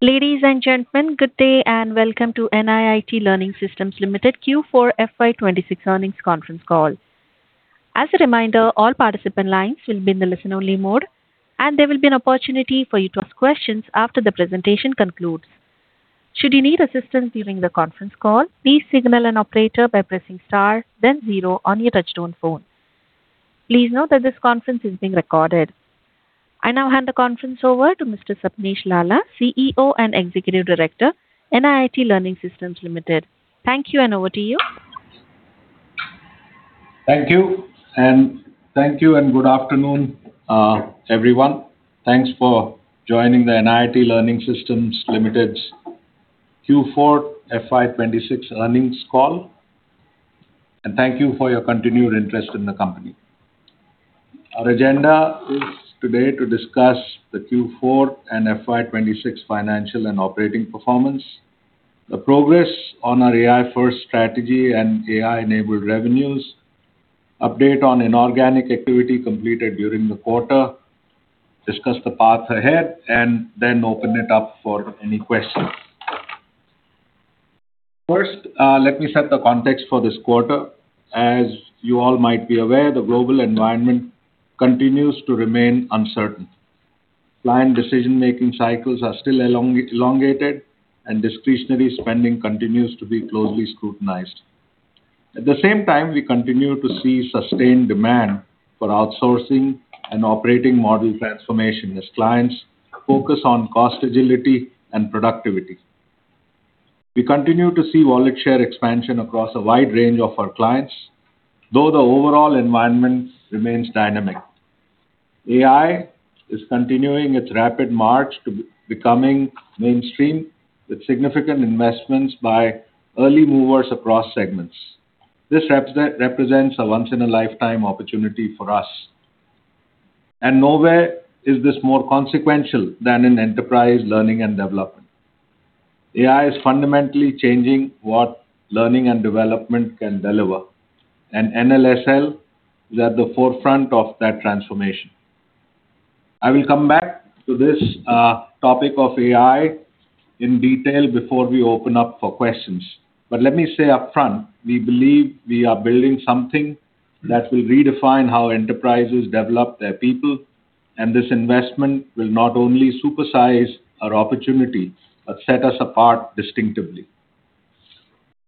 Ladies and gentlemen, good day and welcome to NIIT Learning Systems Limited Q4 FY 2026 Earnings Conference Call. As a reminder, all participant lines will be in the listen-only mode, and there will be an opportunity for you to ask questions after the presentation concludes. Should you need assistance during the conference call, please signal an operator by pressing star then zero on your touchtone phone. Please note that this conference is being recorded. I now hand the conference over to Mr. Sapnesh Lalla, CEO and Executive Director, NIIT Learning Systems Limited. Thank you, over to you. Thank you. Thank you and good afternoon, everyone. Thanks for joining the NIIT Learning Systems Limited's Q4 FY 2026 earnings call. Thank you for your continued interest in the company. Our agenda is today to discuss the Q4 and FY 2026 financial and operating performance, the progress on our AI-first strategy and AI-enabled revenues, update on inorganic activity completed during the quarter, discuss the path ahead, open it up for any questions. First, let me set the context for this quarter. As you all might be aware, the global environment continues to remain uncertain. Client decision-making cycles are still elongated, and discretionary spending continues to be closely scrutinized. At the same time, we continue to see sustained demand for outsourcing and operating model transformation as clients focus on cost agility and productivity. We continue to see wallet share expansion across a wide range of our clients, though the overall environment remains dynamic. AI is continuing its rapid march to becoming mainstream with significant investments by early movers across segments. This represents a once-in-a-lifetime opportunity for us. Nowhere is this more consequential than in enterprise learning and development. AI is fundamentally changing what learning and development can deliver. NLSL is at the forefront of that transformation. I will come back to this topic of AI in detail before we open up for questions. Let me say upfront, we believe we are building something that will redefine how enterprises develop their people. This investment will not only supersize our opportunity but set us apart distinctively.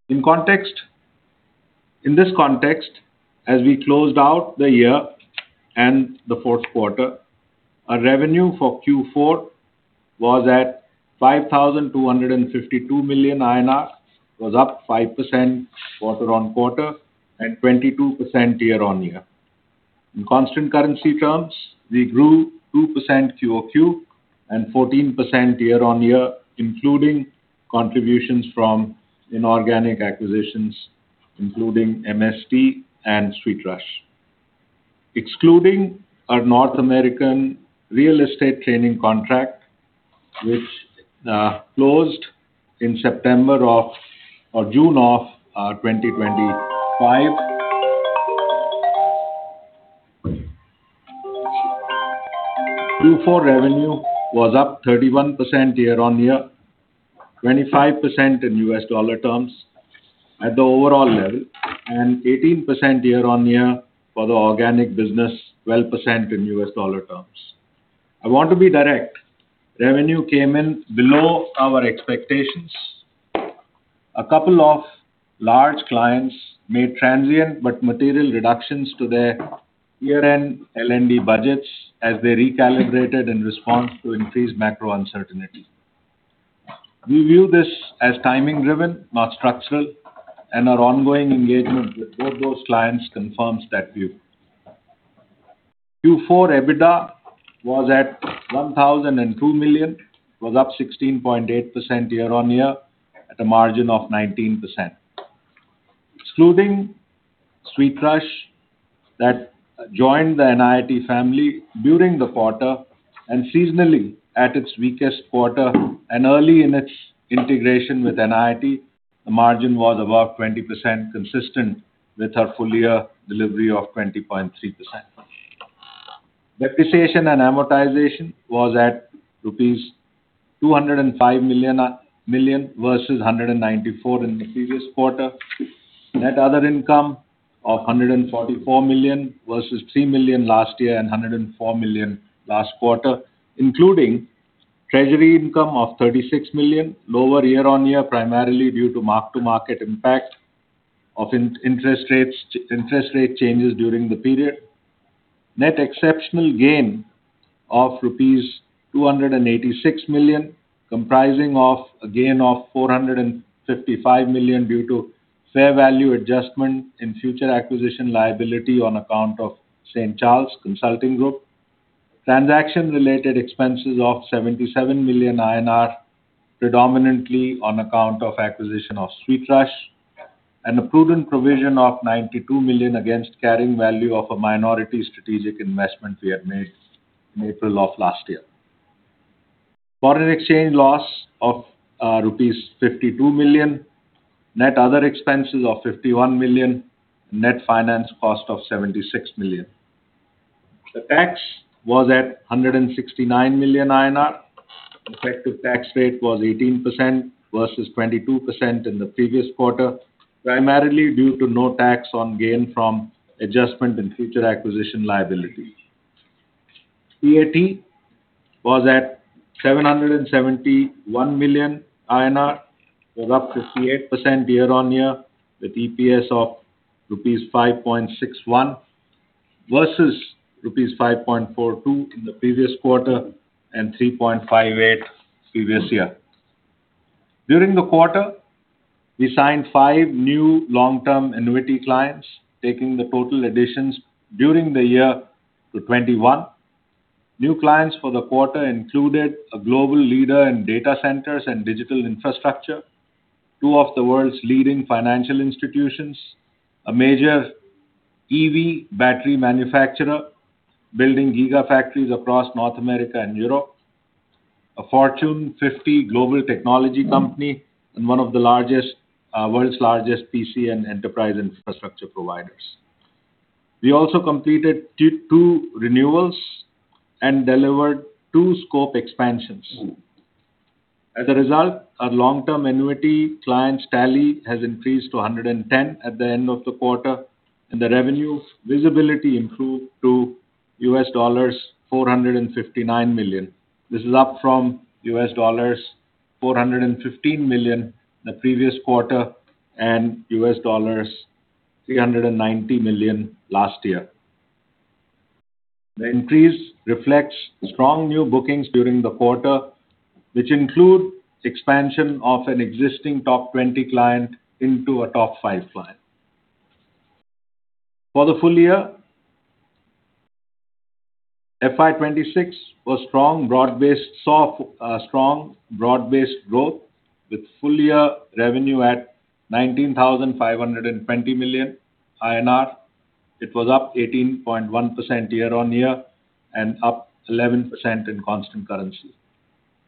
In this context, as we closed out the year and the fourth quarter, our revenue for Q4 was at 5,252 million INR, was up 5% quarter-on-quarter and 22% year-on-year. In constant currency terms, we grew 2% Q-o-Q and 14% year-on-year, including contributions from inorganic acquisitions, including MTS and SweetRush. Excluding our North American real estate training contract, which closed in June of 2025. Q4 revenue was up 31% year-on-year, 25% in U.S. dollar terms at the overall level, and 18% year-on-year for the organic business, 12% in U.S. dollar terms. I want to be direct. Revenue came in below our expectations. A couple of large clients made transient but material reductions to their year-end L&D budgets as they recalibrated in response to increased macro uncertainty. We view this as timing-driven, not structural, and our ongoing engagement with both those clients confirms that view. Q4 EBITDA was at 1,002 million, was up 16.8% year-on-year at a margin of 19%. Excluding SweetRush that joined the NIIT family during the quarter and seasonally at its weakest quarter and early in its integration with NIIT, the margin was above 20% consistent with our full year delivery of 20.3%. Depreciation and amortization was at rupees 205 million versus 194 in the previous quarter. Net other income of 144 million versus 3 million last year and 104 million last quarter, including treasury income of 36 million, lower year-over-year, primarily due to mark-to-market impact of interest rate changes during the period. Net exceptional gain of rupees 286 million, comprising of a gain of 455 million due to fair value adjustment in future acquisition liability on account of St. Charles Consulting Group. Transaction-related expenses of 77 million INR, predominantly on account of acquisition of SweetRush, and a prudent provision of 92 million against carrying value of a minority strategic investment we had made in April of last year. Foreign exchange loss of rupees 52 million. Net other expenses of 51 million. Net finance cost of 76 million. The tax was at 169 million INR. Effective tax rate was 18% versus 22% in the previous quarter, primarily due to no tax on gain from adjustment in future acquisition liability. PAT was at 771 million INR. It was up 58% year-on-year, with EPS of rupees 5.61 versus rupees 5.42 in the previous quarter and 3.58 previous year. During the quarter, we signed five new long-term annuity clients, taking the total additions during the year to 21. New clients for the quarter included a global leader in data centers and digital infrastructure, two of the world's leading financial institutions, a major EV battery manufacturer building gigafactories across North America and Europe, a Fortune 50 global technology company, and one of the world's largest PC and enterprise infrastructure providers. We also completed two renewals and delivered two scope expansions. As a result, our long-term annuity clients tally has increased to 110 at the end of the quarter, and the revenue visibility improved to $459 million. This is up from $415 million the previous quarter and $390 million last year. The increase reflects strong new bookings during the quarter, which include expansion of an existing top 20 client into a top five client. For the full year, FY 2026 was strong broad-based growth with full year revenue at 19,520 million INR. It was up 18.1% year-on-year and up 11% in constant currency.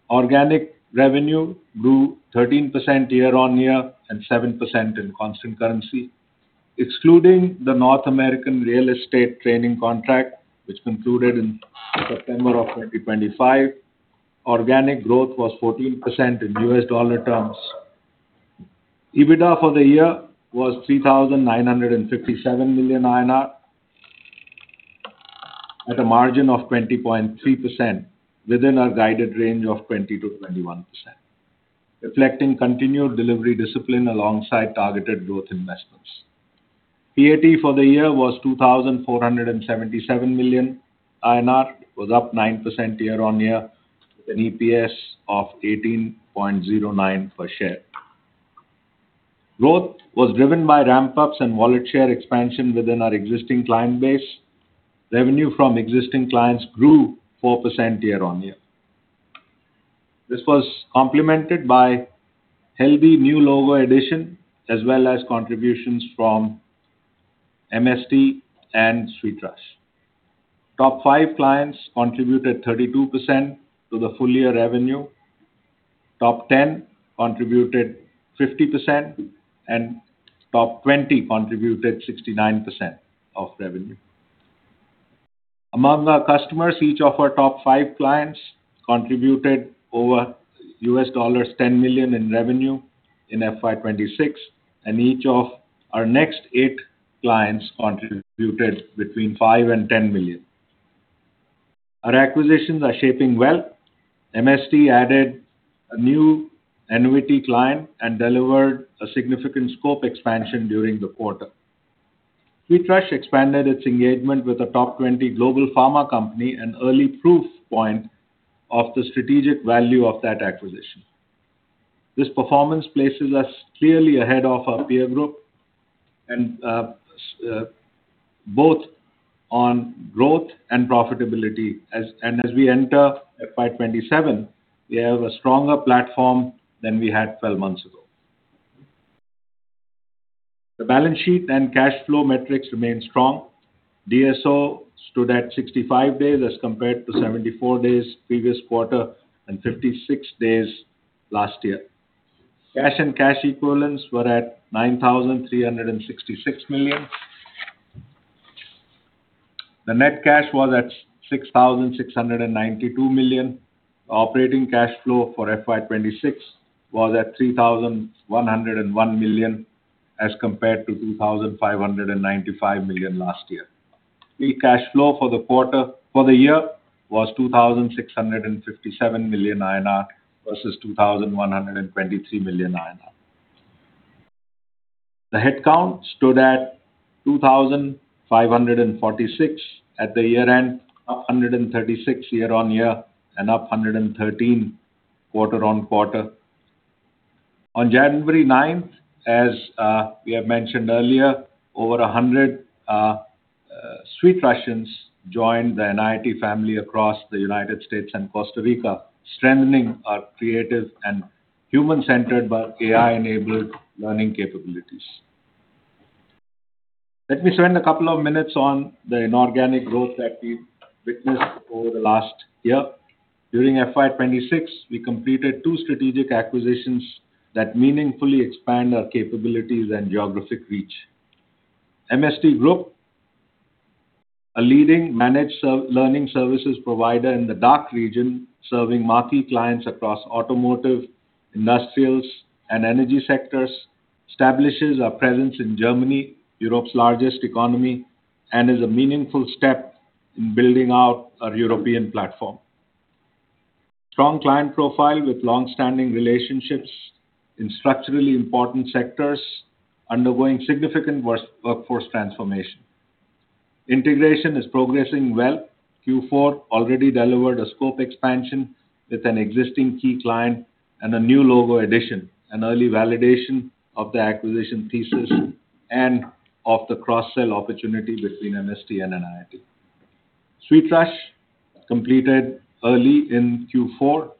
Organic revenue grew 13% year-on-year and 7% in constant currency. Excluding the North American real estate training contract, which concluded in September of 2025, organic growth was 14% in U.S. dollar terms. EBITDA for the year was 3,957 million INR at a margin of 20.3% within our guided range of 20%-21%, reflecting continued delivery discipline alongside targeted growth investments. PAT for the year was 2,477 million. It was up 9% year-on-year with an EPS of 18.09 per share. Growth was driven by ramp-ups and wallet share expansion within our existing client base. Revenue from existing clients grew 4% year-on-year. This was complemented by healthy new logo addition as well as contributions from MTS and SweetRush. Top five clients contributed 32% to the full year revenue. Top 10 contributed 50%, and top 20 contributed 69% of revenue. Among our customers, each of our top five clients contributed over $10 million in revenue in FY 2026, and each of our next eight clients contributed between $5 million-$10 million. Our acquisitions are shaping well. MTS added a new annuity client and delivered a significant scope expansion during the quarter. SweetRush expanded its engagement with a top 20 global pharma company, an early proof point of the strategic value of that acquisition. This performance places us clearly ahead of our peer group and both on growth and profitability as and as we enter FY 2027, we have a stronger platform than we had 12 months ago. The balance sheet and cash flow metrics remain strong. DSO stood at 65 days as compared to 74 days previous quarter and 56 days last year. Cash and cash equivalents were at 9,366 million. The net cash was at 6,692 million. Operating cash flow for FY 2026 was at 3,101 million as compared to 2,595 million last year. Free cash flow for the year was 2,657 million versus 2,123 million. The headcount stood at 2,546 at the year-end, up 136 year-over-year and up 113 quarter-on-quarter. On January 9th, as we have mentioned earlier, over 100 SweetRushians joined the NIIT family across the U.S. and Costa Rica, strengthening our creative and human-centered but AI-enabled learning capabilities. Let me spend a couple of minutes on the inorganic growth that we've witnessed over the last year. During FY 2026, we completed two strategic acquisitions that meaningfully expand our capabilities and geographic reach. MTS Group, a leading managed learning services provider in the DACH region, serving marquee clients across automotive, industrials, and energy sectors, establishes our presence in Germany, Europe's largest economy, and is a meaningful step in building out our European platform. Strong client profile with long-standing relationships in structurally important sectors undergoing significant workforce transformation. Integration is progressing well. Q4 already delivered a scope expansion with an existing key client and a new logo addition, an early validation of the acquisition thesis and of the cross-sell opportunity between MTS and NIIT. SweetRush completed early in Q4,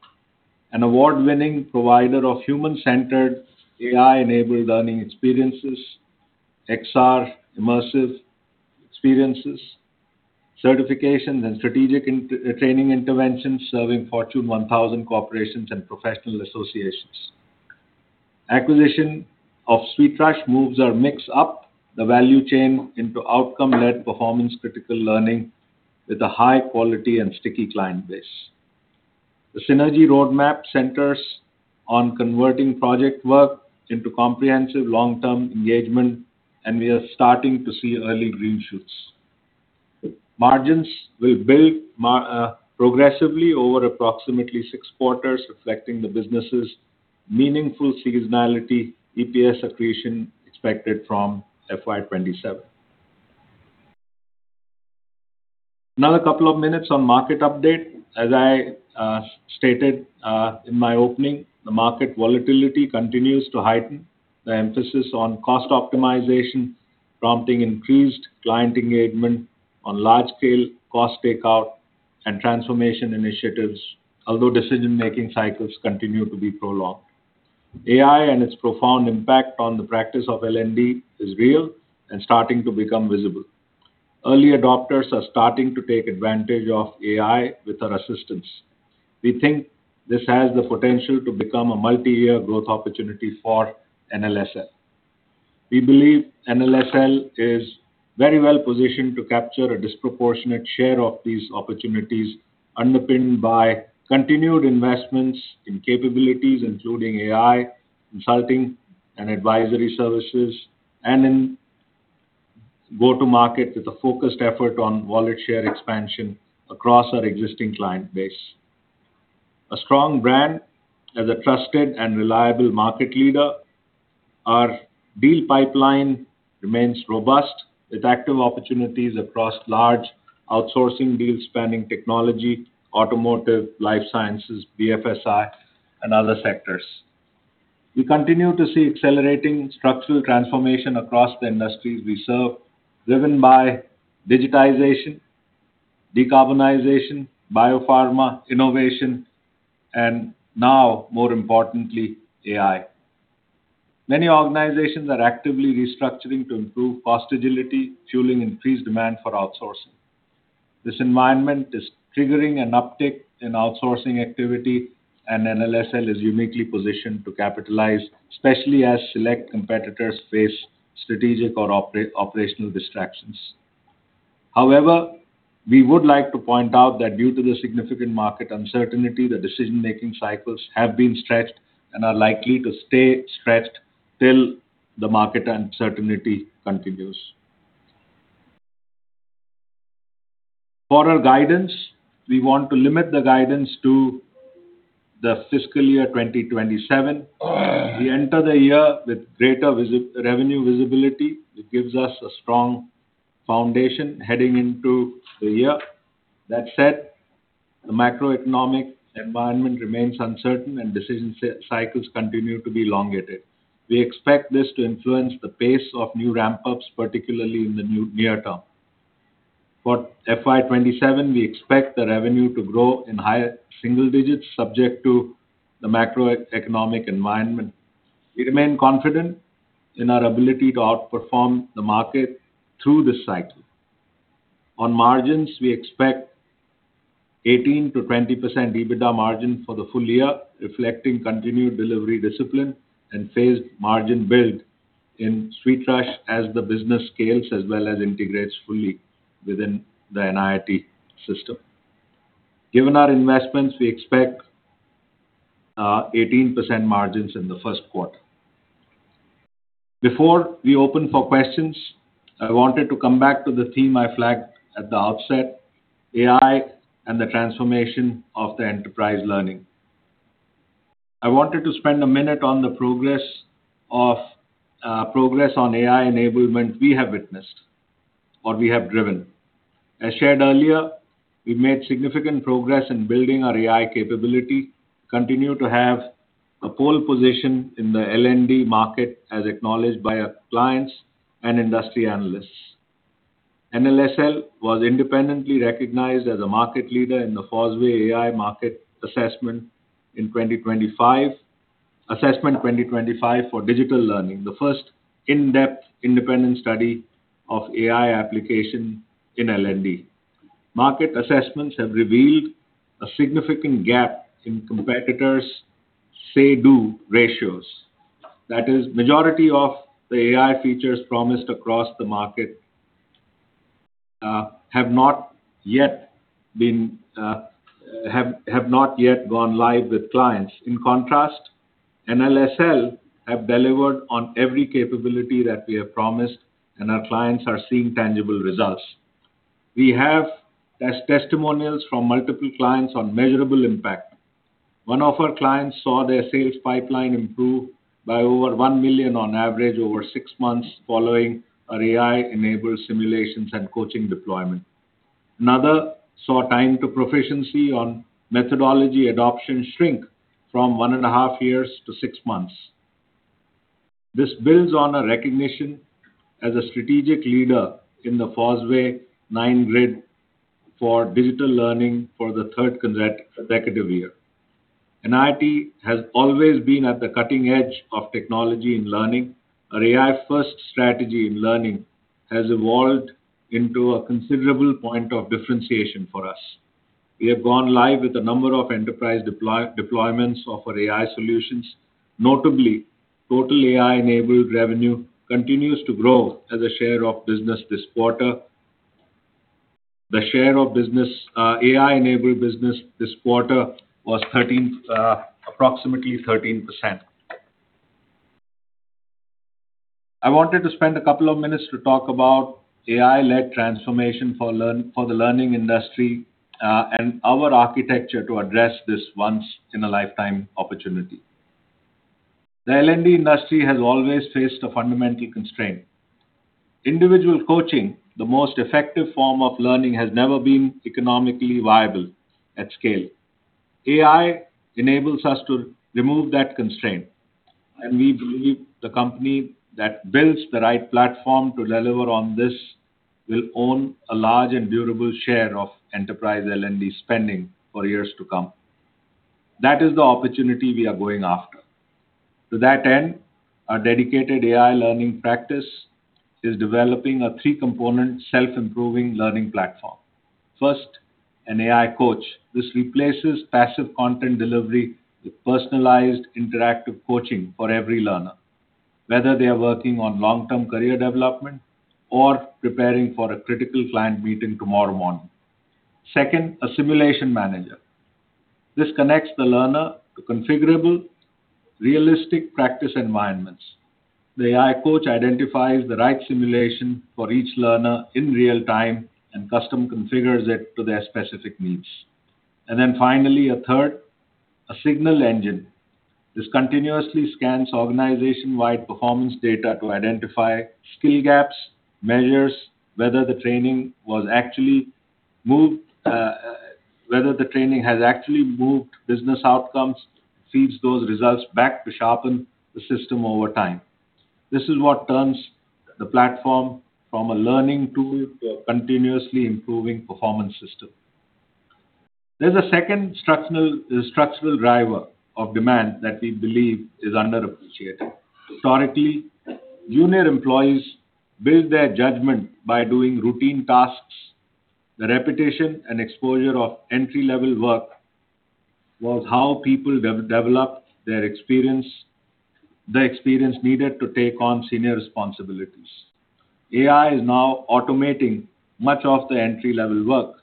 an award-winning provider of human-centered AI-enabled learning experiences, XR immersive experiences, certifications, and strategic training interventions serving Fortune 1000 corporations and professional associations. Acquisition of SweetRush moves our mix up the value chain into outcome-led performance-critical learning with a high quality and sticky client base. The synergy roadmap centers on converting project work into comprehensive long-term engagement, and we are starting to see early green shoots. Margins will build progressively over approximately six quarters, reflecting the business's meaningful seasonality. EPS accretion expected from FY 2027. Another couple of minutes on market update. As I stated in my opening, the market volatility continues to heighten the emphasis on cost optimization, prompting increased client engagement on large-scale cost takeout and transformation initiatives, although decision-making cycles continue to be prolonged. AI and its profound impact on the practice of L&D is real and starting to become visible. Early adopters are starting to take advantage of AI with our assistance. We think this has the potential to become a multi-year growth opportunity for NLSL. We believe NLSL is very well positioned to capture a disproportionate share of these opportunities, underpinned by continued investments in capabilities including AI, consulting, and advisory services, and in go-to-market with a focused effort on wallet share expansion across our existing client base. A strong brand as a trusted and reliable market leader. Our deal pipeline remains robust with active opportunities across large outsourcing deals spanning technology, automotive, life sciences, BFSI, and other sectors. We continue to see accelerating structural transformation across the industries we serve, driven by digitization, decarbonization, biopharma innovation, and now, more importantly, AI. Many organizations are actively restructuring to improve cost agility, fueling increased demand for outsourcing. This environment is triggering an uptick in outsourcing activity, and NLSL is uniquely positioned to capitalize, especially as select competitors face strategic or operational distractions. However, we would like to point out that due to the significant market uncertainty, the decision-making cycles have been stretched and are likely to stay stretched till the market uncertainty continues. For our guidance, we want to limit the guidance to the fiscal year 2027. We enter the year with greater revenue visibility, which gives us a strong foundation heading into the year. That said, the macroeconomic environment remains uncertain, decision cycles continue to be elongated. We expect this to influence the pace of new ramp-ups, particularly in the near term. For FY 2027, we expect the revenue to grow in higher single digits, subject to the macroeconomic environment. We remain confident in our ability to outperform the market through this cycle. On margins, we expect 18%-20% EBITDA margin for the full year, reflecting continued delivery discipline and phased margin build in SweetRush as the business scales, as well as integrates fully within the NIIT system. Given our investments, we expect 18% margins in the first quarter. Before we open for questions, I wanted to come back to the theme I flagged at the outset, AI and the transformation of the enterprise learning. I wanted to spend a minute on the progress on AI enablement we have witnessed or we have driven. As shared earlier, we've made significant progress in building our AI capability, continue to have a pole position in the L&D market, as acknowledged by our clients and industry analysts. NLSL was independently recognized as a market leader in the Fosway AI market assessment in 2025. Assessment 2025 for digital learning, the first in-depth independent study of AI application in L&D. Market assessments have revealed a significant gap in competitors say:do ratios. That is, majority of the AI features promised across the market, have not yet been, have not yet gone live with clients. In contrast, NLSL have delivered on every capability that we have promised, and our clients are seeing tangible results. We have test-testimonials from multiple clients on measurable impact. One of our clients saw their sales pipeline improve by over 1 million on average over six months following our AI-enabled simulations and coaching deployment. Another saw time to proficiency on methodology adoption shrink from 1.5 years to six months. This builds on a recognition as a strategic leader in the Fosway 9-Grid for digital learning for the third consecutive year. NIIT has always been at the cutting edge of technology and learning. Our AI-first strategy in learning has evolved into a considerable point of differentiation for us. We have gone live with a number of enterprise deployments of our AI solutions. Notably, total AI-enabled revenue continues to grow as a share of business this quarter. The share of business, AI-enabled business this quarter was approximately 13%. I wanted to spend a couple of minutes to talk about AI-led transformation for the learning industry and our architecture to address this once in a lifetime opportunity. The L&D industry has always faced a fundamental constraint. Individual coaching, the most effective form of learning, has never been economically viable at scale. AI enables us to remove that constraint. We believe the company that builds the right platform to deliver on this will own a large and durable share of enterprise L&D spending for years to come. That is the opportunity we are going after. To that end, our dedicated AI learning practice is developing a three-component self-improving learning platform. First, an AI coach. This replaces passive content delivery with personalized interactive coaching for every learner, whether they are working on long-term career development or preparing for a critical client meeting tomorrow morning. Second, a simulation manager. This connects the learner to configurable, realistic practice environments. The AI coach identifies the right simulation for each learner in real time and custom configures it to their specific needs. Finally, a third, a signal engine. This continuously scans organization-wide performance data to identify skill gaps, measures whether the training was actually moved, whether the training has actually moved business outcomes, feeds those results back to sharpen the system over time. This is what turns the platform from a learning tool to a continuously improving performance system. There's a second structural driver of demand that we believe is underappreciated. Historically, junior employees build their judgment by doing routine tasks. The repetition and exposure of entry-level work was how people developed their experience, the experience needed to take on senior responsibilities. AI is now automating much of the entry-level work.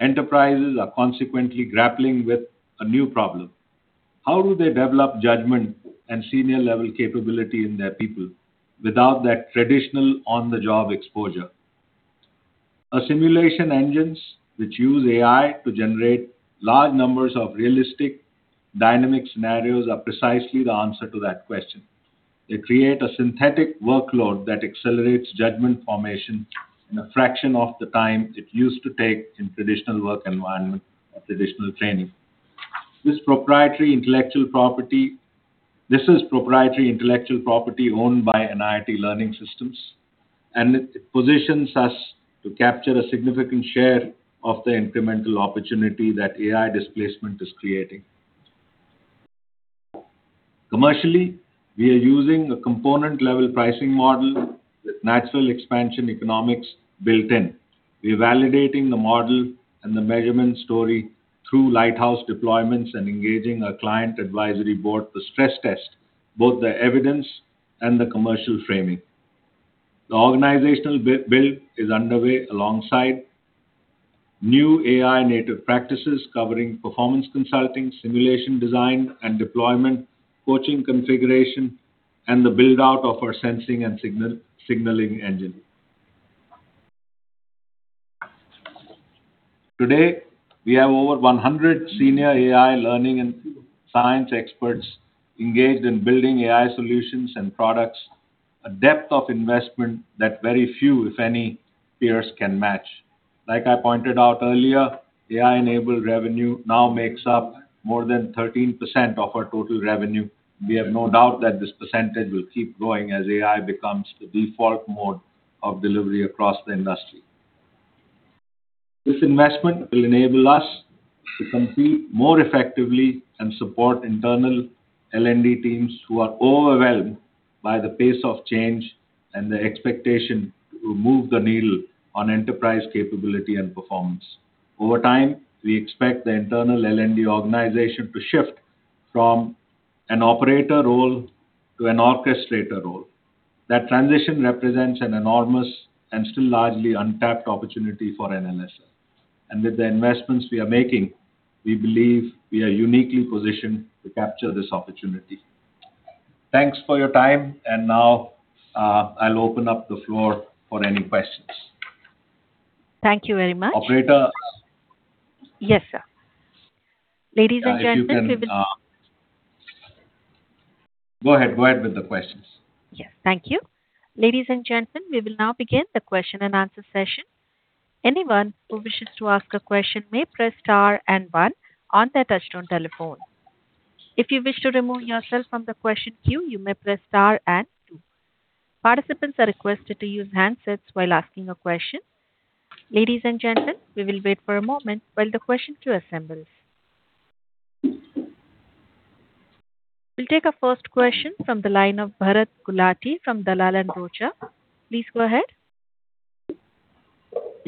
Enterprises are consequently grappling with a new problem. How do they develop judgment and senior-level capability in their people without that traditional on-the-job exposure? Simulation engines, which use AI to generate large numbers of realistic dynamic scenarios are precisely the answer to that question. They create a synthetic workload that accelerates judgment formation in a fraction of the time it used to take in traditional work environment or traditional training. This is proprietary intellectual property owned by NIIT Learning Systems, and it positions us to capture a significant share of the incremental opportunity that AI displacement is creating. Commercially, we are using a component-level pricing model with natural expansion economics built in. We're validating the model and the measurement story through lighthouse deployments and engaging a client advisory board to stress test both the evidence and the commercial framing. The organizational build is underway alongside new AI native practices covering performance consulting, simulation design and deployment, coaching configuration, and the build-out of our sensing and signaling engine. Today, we have over 100 senior AI learning and science experts engaged in building AI solutions and products, a depth of investment that very few, if any, peers can match. Like I pointed out earlier, AI-enabled revenue now makes up more than 13% of our total revenue. We have no doubt that this percentage will keep growing as AI becomes the default mode of delivery across the industry. This investment will enable us to compete more effectively and support internal L&D teams who are overwhelmed by the pace of change and the expectation to move the needle on enterprise capability and performance. Over time, we expect the internal L&D organization to shift from an operator role to an orchestrator role. That transition represents an enormous and still largely untapped opportunity for an NLSL. With the investments we are making, we believe we are uniquely positioned to capture this opportunity. Thanks for your time, and now, I'll open up the floor for any questions. Thank you very much. Operator. Yes, sir. Ladies and gentlemen, If you can, go ahead with the questions. Yes. Thank you. Ladies and gentlemen, we will now begin the question and answer session. Anyone who wishes to ask a question may press star and one on their touchtone telephone. If you wish to remove yourself from the question queue, you may press star and two. Participants are requested to use handsets while asking a question. Ladies and gentlemen, we will wait for a moment while the question queue assembles. We'll take our first question from the line of Bharat Gulati from Dalal & Broacha. Please go ahead.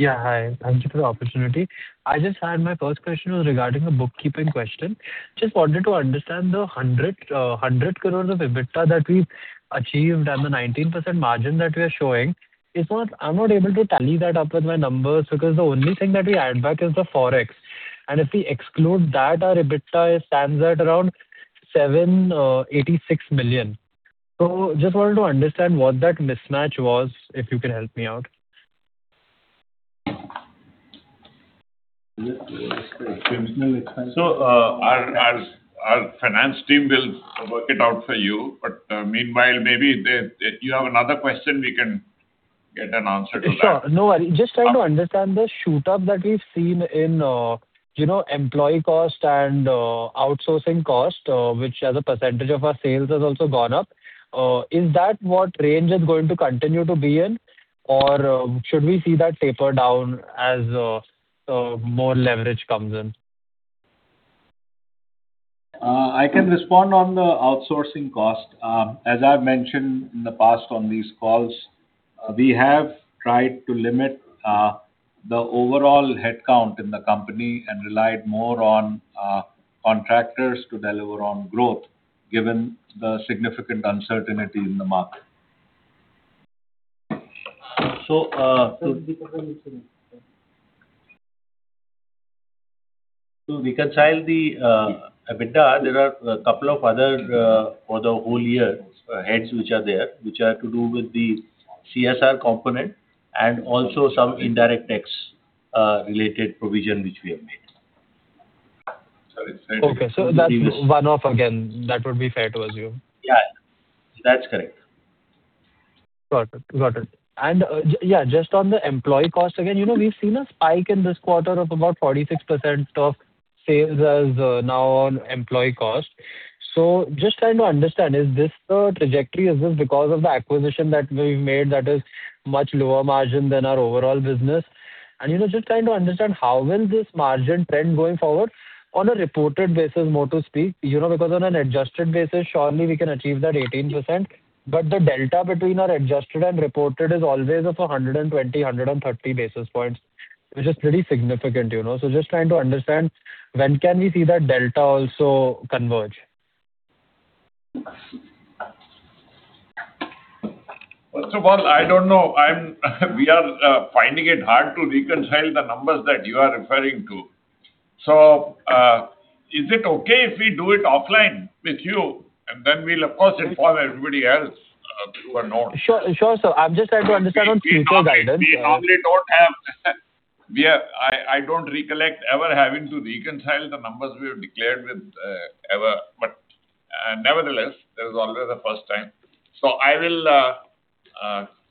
Hi. Thank you for the opportunity. My first question was regarding a bookkeeping question. I just wanted to understand the 100 crores of EBITDA that we've achieved and the 19% margin that we are showing. I'm not able to tally that up with my numbers because the only thing that we add back is the ForEx. If we exclude that, our EBITDA stands at around 786 million. I just wanted to understand what that mismatch was, if you can help me out. Our finance team will work it out for you. Meanwhile, maybe Do you have another question we can get an answer to that? Sure. No worry. Just trying to understand the shoot up that we've seen in, you know, employee cost and outsourcing cost, which as a percentage of our sales has also gone up. Is that what range is going to continue to be in? Or should we see that taper down as more leverage comes in? I can respond on the outsourcing cost. As I've mentioned in the past on these calls, we have tried to limit the overall headcount in the company and relied more on contractors to deliver on growth, given the significant uncertainty in the market. To reconcile the EBITDA, there are a couple of other for the whole year heads which are there, which are to do with the CSR component and also some indirect tax related provision which we have made. Okay. That's one-off again, that would be fair to assume? Yeah. That's correct. Got it. Got it. Yeah, just on the employee cost again. You know, we've seen a spike in this quarter of about 46% of sales as now on employee cost. Just trying to understand, is this the trajectory? Is this because of the acquisition that we've made that is much lower margin than our overall business? You know, just trying to understand how will this margin trend going forward on a reported basis, more to speak, you know, because on an adjusted basis, surely we can achieve that 18%. The delta between our adjusted and reported is always of 120, 130 basis points, which is pretty significant, you know. Just trying to understand when can we see that delta also converge. First of all, I don't know. We are finding it hard to reconcile the numbers that you are referring to. Is it okay if we do it offline with you, and then we'll, of course, inform everybody else, who are known? Sure, sure, sir. I'm just trying to understand on future guidance. We normally don't have I don't recollect ever having to reconcile the numbers we have declared with ever. Nevertheless, there's always a first time. I will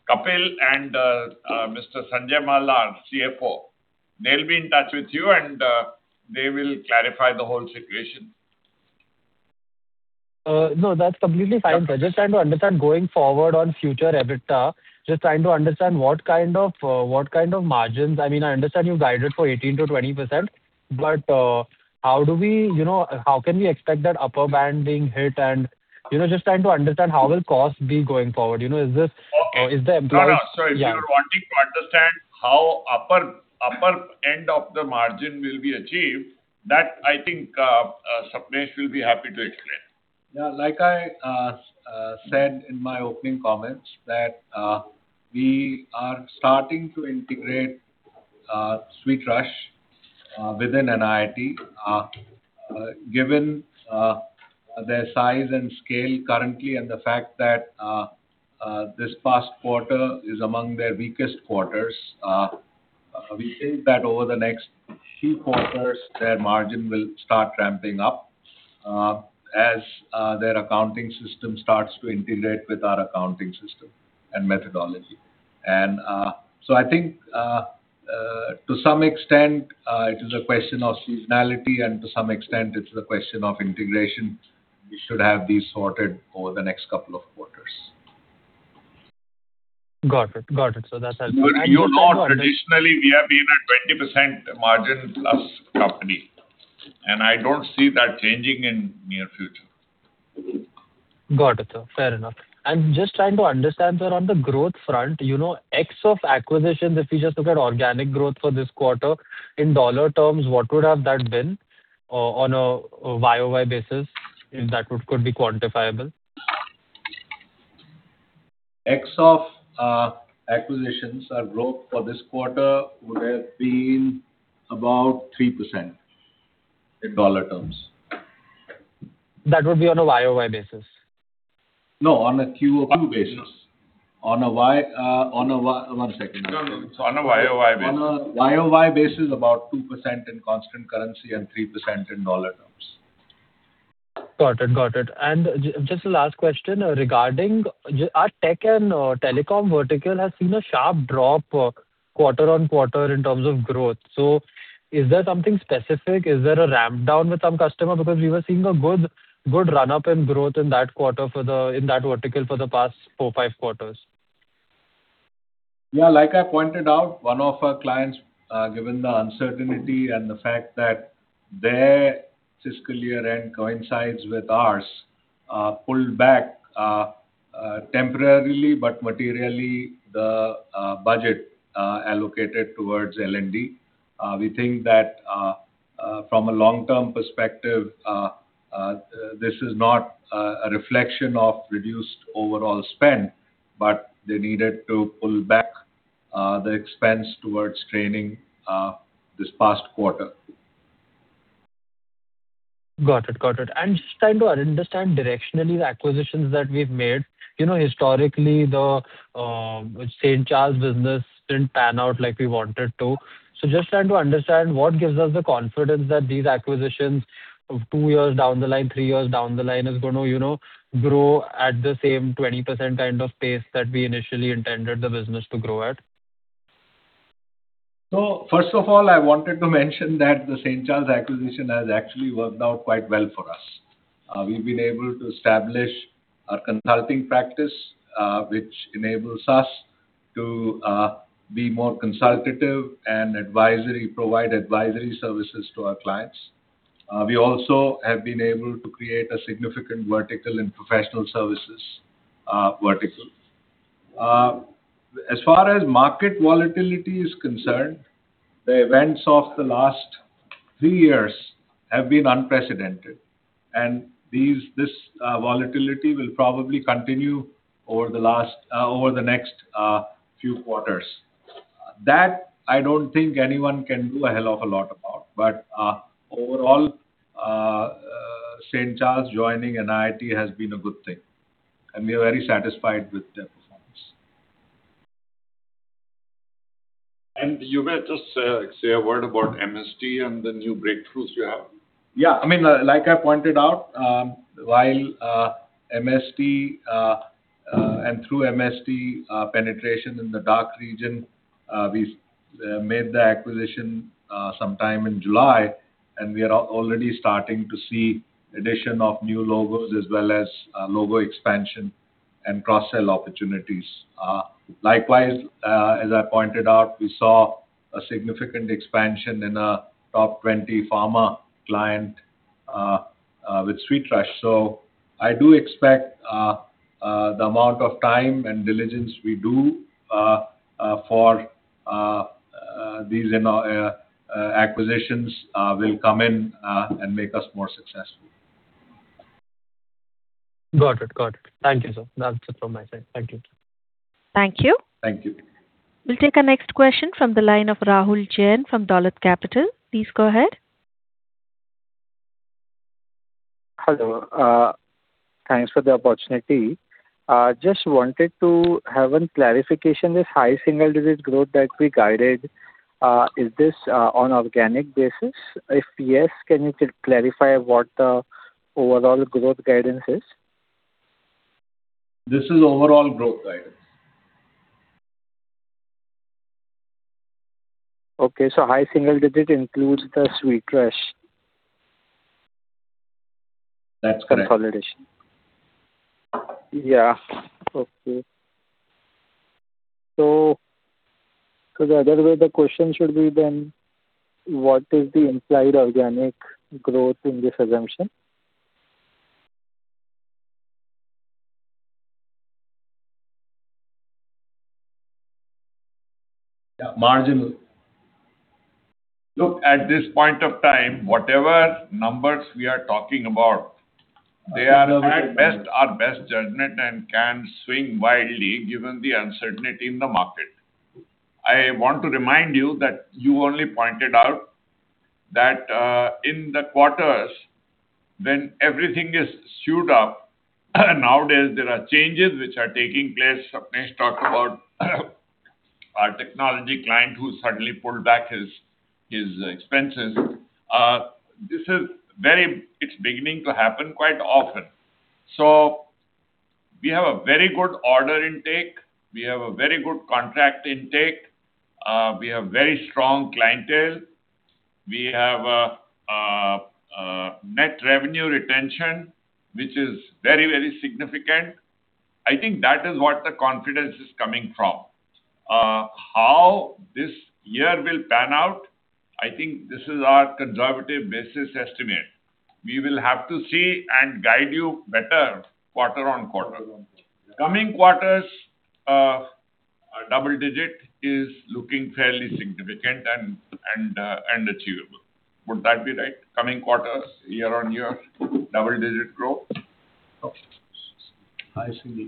Kapil and Mr. Sanjay Mal, our CFO, they'll be in touch with you and they will clarify the whole situation. No, that's completely fine, sir. Just trying to understand going forward on future EBITDA. Just trying to understand what kind of margins I mean, I understand you guided for 18%-20%, but, how do we, you know, how can we expect that upper band being hit? You know, just trying to understand how will cost be going forward. Is the employees? Got it. If you're wanting to understand how upper end of the margin will be achieved, that I think, Sapnesh will be happy to explain. Like I said in my opening comments that we are starting to integrate SweetRush within NIIT. Given their size and scale currently and the fact that this past quarter is among their weakest quarters, we think that over the next few quarters their margin will start ramping up as their accounting system starts to integrate with our accounting system and methodology. I think, to some extent, it is a question of seasonality and to some extent it's a question of integration. We should have these sorted over the next couple of quarters. Got it. Got it. You know traditionally we have been a 20% margin plus company, and I don't see that changing in near future. Got it, sir. Fair enough. I'm just trying to understand, sir, on the growth front, you know, X of acquisitions, if you just look at organic growth for this quarter, in dollar terms, what would have that been on a Y-o-Y basis, if that could be quantifiable? X of acquisitions our growth for this quarter would have been about 3% in dollar terms. That would be on a Y-o-Y basis? No, on a Q-o-Q basis. One second. No, no. It's on a Y-o-Y basis. On a year-over-year basis, about 2% in constant currency and 3% in dollar terms. Got it. Got it. Just the last question regarding our tech and telecom vertical has seen a sharp drop quarter-on-quarter in terms of growth. Is there something specific? Is there a ramp down with some customer? We were seeing a good run-up in growth in that vertical for the past four, five quarters. Like I pointed out, one of our clients, given the uncertainty and the fact that their fiscal year-end coincides with ours, pulled back temporarily but materially the budget allocated towards L&D. We think that from a long-term perspective, this is not a reflection of reduced overall spend, but they needed to pull back the expense towards training this past quarter. Got it. Got it. I'm just trying to understand directionally the acquisitions that we've made. You know, historically, the St. Charles business didn't pan out like we wanted to. Just trying to understand what gives us the confidence that these acquisitions of two years down the line, three years down the line is gonna, you know, grow at the same 20% kind of pace that we initially intended the business to grow at. First of all, I wanted to mention that the St. Charles acquisition has actually worked out quite well for us. We've been able to establish a consulting practice, which enables us to be more consultative and provide advisory services to our clients. We also have been able to create a significant vertical in professional services. As far as market volatility is concerned, the events of the last three years have been unprecedented, and this volatility will probably continue over the next few quarters. That, I don't think anyone can do a hell of a lot about. Overall, St. Charles joining NIIT has been a good thing, and we are very satisfied with their performance. You may just say a word about MTS Group and the new breakthroughs you have. I mean, like I pointed out, while MTS and through MTS penetration in the DACH region, we made the acquisition sometime in July, and we are already starting to see addition of new logos as well as logo expansion and cross-sell opportunities. Likewise, as I pointed out, we saw a significant expansion in a top 20 pharma client with SweetRush. I do expect the amount of time and diligence we do for these, you know, acquisitions, will come in and make us more successful. Got it. Thank you, sir. That's it from my side. Thank you. Thank you. Thank you. We'll take our next question from the line of Rahul Jain from Dolat Capital. Please go ahead. Hello. Thanks for the opportunity. Just wanted to have one clarification. This high single-digit growth that we guided, is this on organic basis? If yes, can you clarify what the overall growth guidance is? This is overall growth guidance. Okay. High single digit includes the SweetRush. That's correct. consolidation. Yeah. Okay. The other way the question should be then, what is the implied organic growth in this assumption? Yeah, marginal. Look, at this point of time, whatever numbers we are talking about, they are at best our best judgment and can swing wildly given the uncertainty in the market. I want to remind you that you only pointed out that in the quarters when everything is skewed up, nowadays there are changes which are taking place. Sapnesh talked about our technology client who suddenly pulled back his expenses. It's beginning to happen quite often. We have a very good order intake. We have a very good contract intake. We have very strong clientele. We have Net Revenue Retention, which is very significant. I think that is what the confidence is coming from. How this year will pan out, I think this is our conservative business estimate. We will have to see and guide you better quarter-on-quarter. Quarter-on-quarter, yeah. Coming quarters, double-digit is looking fairly significant and achievable. Would that be right? Coming quarters, year-on-year, double-digit growth? High single.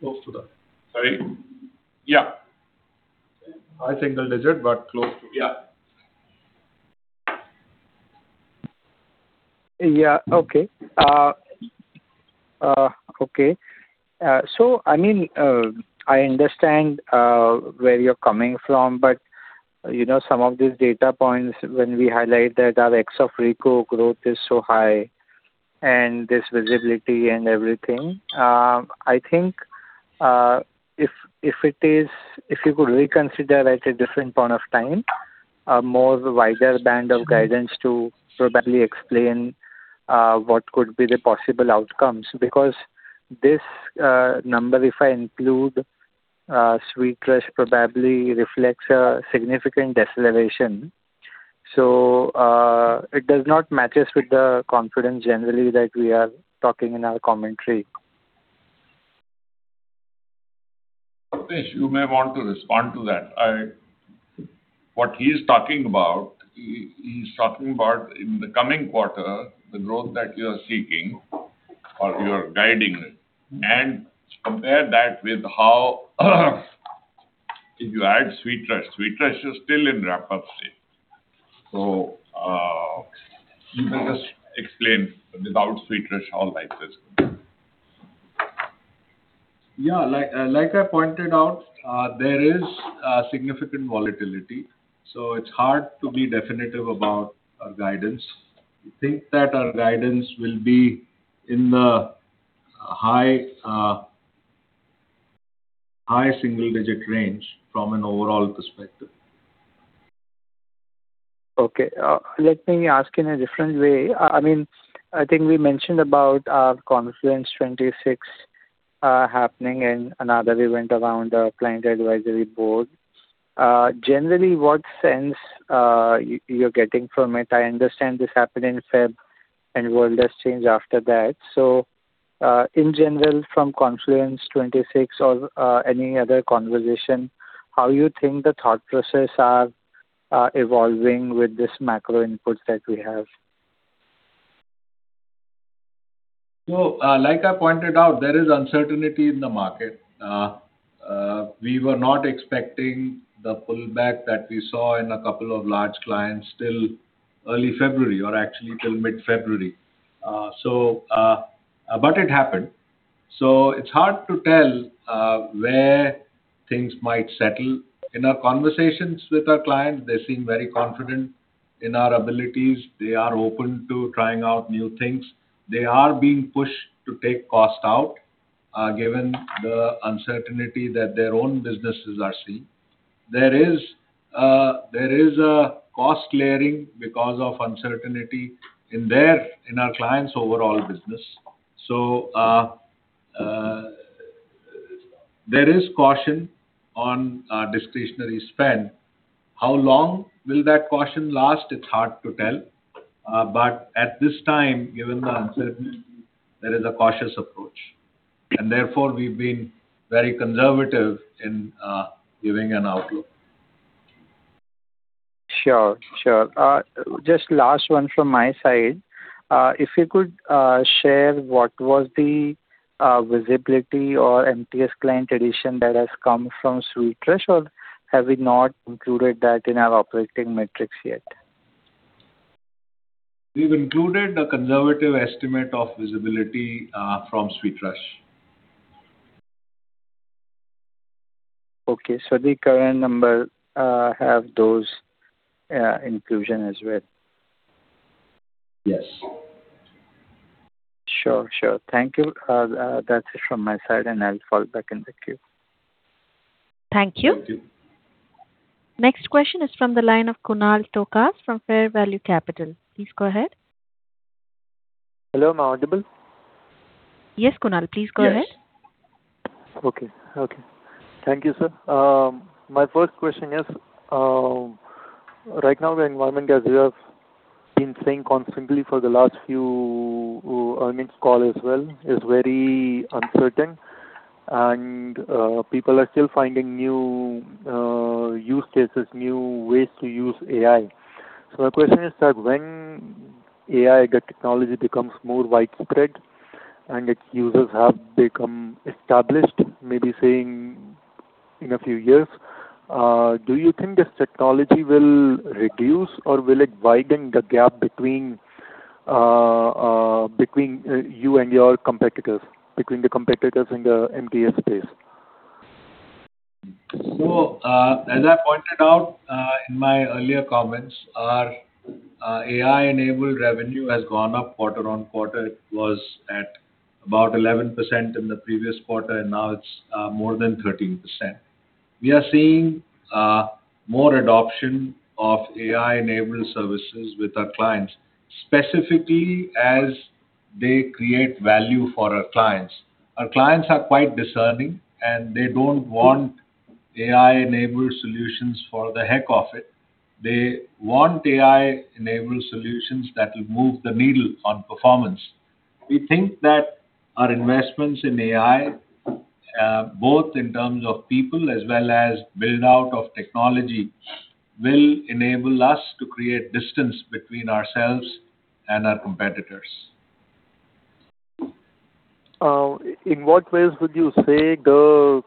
Close to that. Sorry? Yeah. High single digit, but close to it. Yeah. Yeah. Okay. Okay. I mean, I understand where you're coming from, you know, some of these data points when we highlight that our ex of RE/MAX growth is so high and this visibility and everything, I think, if you could reconsider at a different point of time a more wider band of guidance to probably explain what could be the possible outcomes. This number, if I include SweetRush probably reflects a significant deceleration. It does not matches with the confidence generally that we are talking in our commentary. Sapnesh, you may want to respond to that. What he's talking about, he's talking about in the coming quarter, the growth that you are seeking or you are guiding it, and compare that with how if you add SweetRush. SweetRush is still in ramp-up state. You can just explain without SweetRush, how life is. Like I pointed out, there is significant volatility, so it's hard to be definitive about our guidance. We think that our guidance will be in the high single-digit range from an overall perspective. Okay. Let me ask in a different way. I mean, I think we mentioned about Confluence 2026 happening and another event around our client advisory board. Generally, what sense you're getting from it? I understand this happened in February and world has changed after that. In general, from Confluence 2026 or any other conversation, how you think the thought process are evolving with this macro inputs that we have? Like I pointed out, there is uncertainty in the market. We were not expecting the pullback that we saw in a couple of large clients till early February or actually till mid-February. But it happened. It's hard to tell where things might settle. In our conversations with our clients, they seem very confident in our abilities. They are open to trying out new things. They are being pushed to take cost out, given the uncertainty that their own businesses are seeing. There is a cost layering because of uncertainty in their, in our clients' overall business. There is caution on discretionary spend. How long will that caution last? It's hard to tell. But at this time, given the uncertainty, there is a cautious approach. Therefore, we've been very conservative in giving an outlook. Sure. Sure. Just last one from my side. If you could share what was the visibility or MTS client addition that has come from SweetRush, or have we not included that in our operating metrics yet? We've included a conservative estimate of visibility from SweetRush. Okay. The current number, have those inclusion as well? Yes. Sure. Sure. Thank you. That's it from my side, and I'll fall back in the queue. Thank you. Thank you. Next question is from the line of Kunal Tokas from Fair Value Capital. Please go ahead. Hello, am I audible? Yes, Kunal. Please go ahead. Yes. Okay. Okay. Thank you, sir. My first question is, right now the environment, as you have been saying constantly for the last few earnings call as well, is very uncertain and people are still finding new use cases, new ways to use AI. My question is that when AI, the technology, becomes more widespread and its users have become established, maybe saying in a few years, do you think this technology will reduce or will it widen the gap between you and your competitors, between the competitors in the MTS space? As I pointed out, in my earlier comments, our AI-enabled revenue has gone up quarter-on-quarter. It was at about 11% in the previous quarter, and now it's more than 13%. We are seeing more adoption of AI-enabled services with our clients, specifically as they create value for our clients. Our clients are quite discerning, and they don't want AI-enabled solutions for the heck of it. They want AI-enabled solutions that will move the needle on performance. We think that our investments in AI, both in terms of people as well as build-out of technology, will enable us to create distance between ourselves and our competitors. In what ways would you say the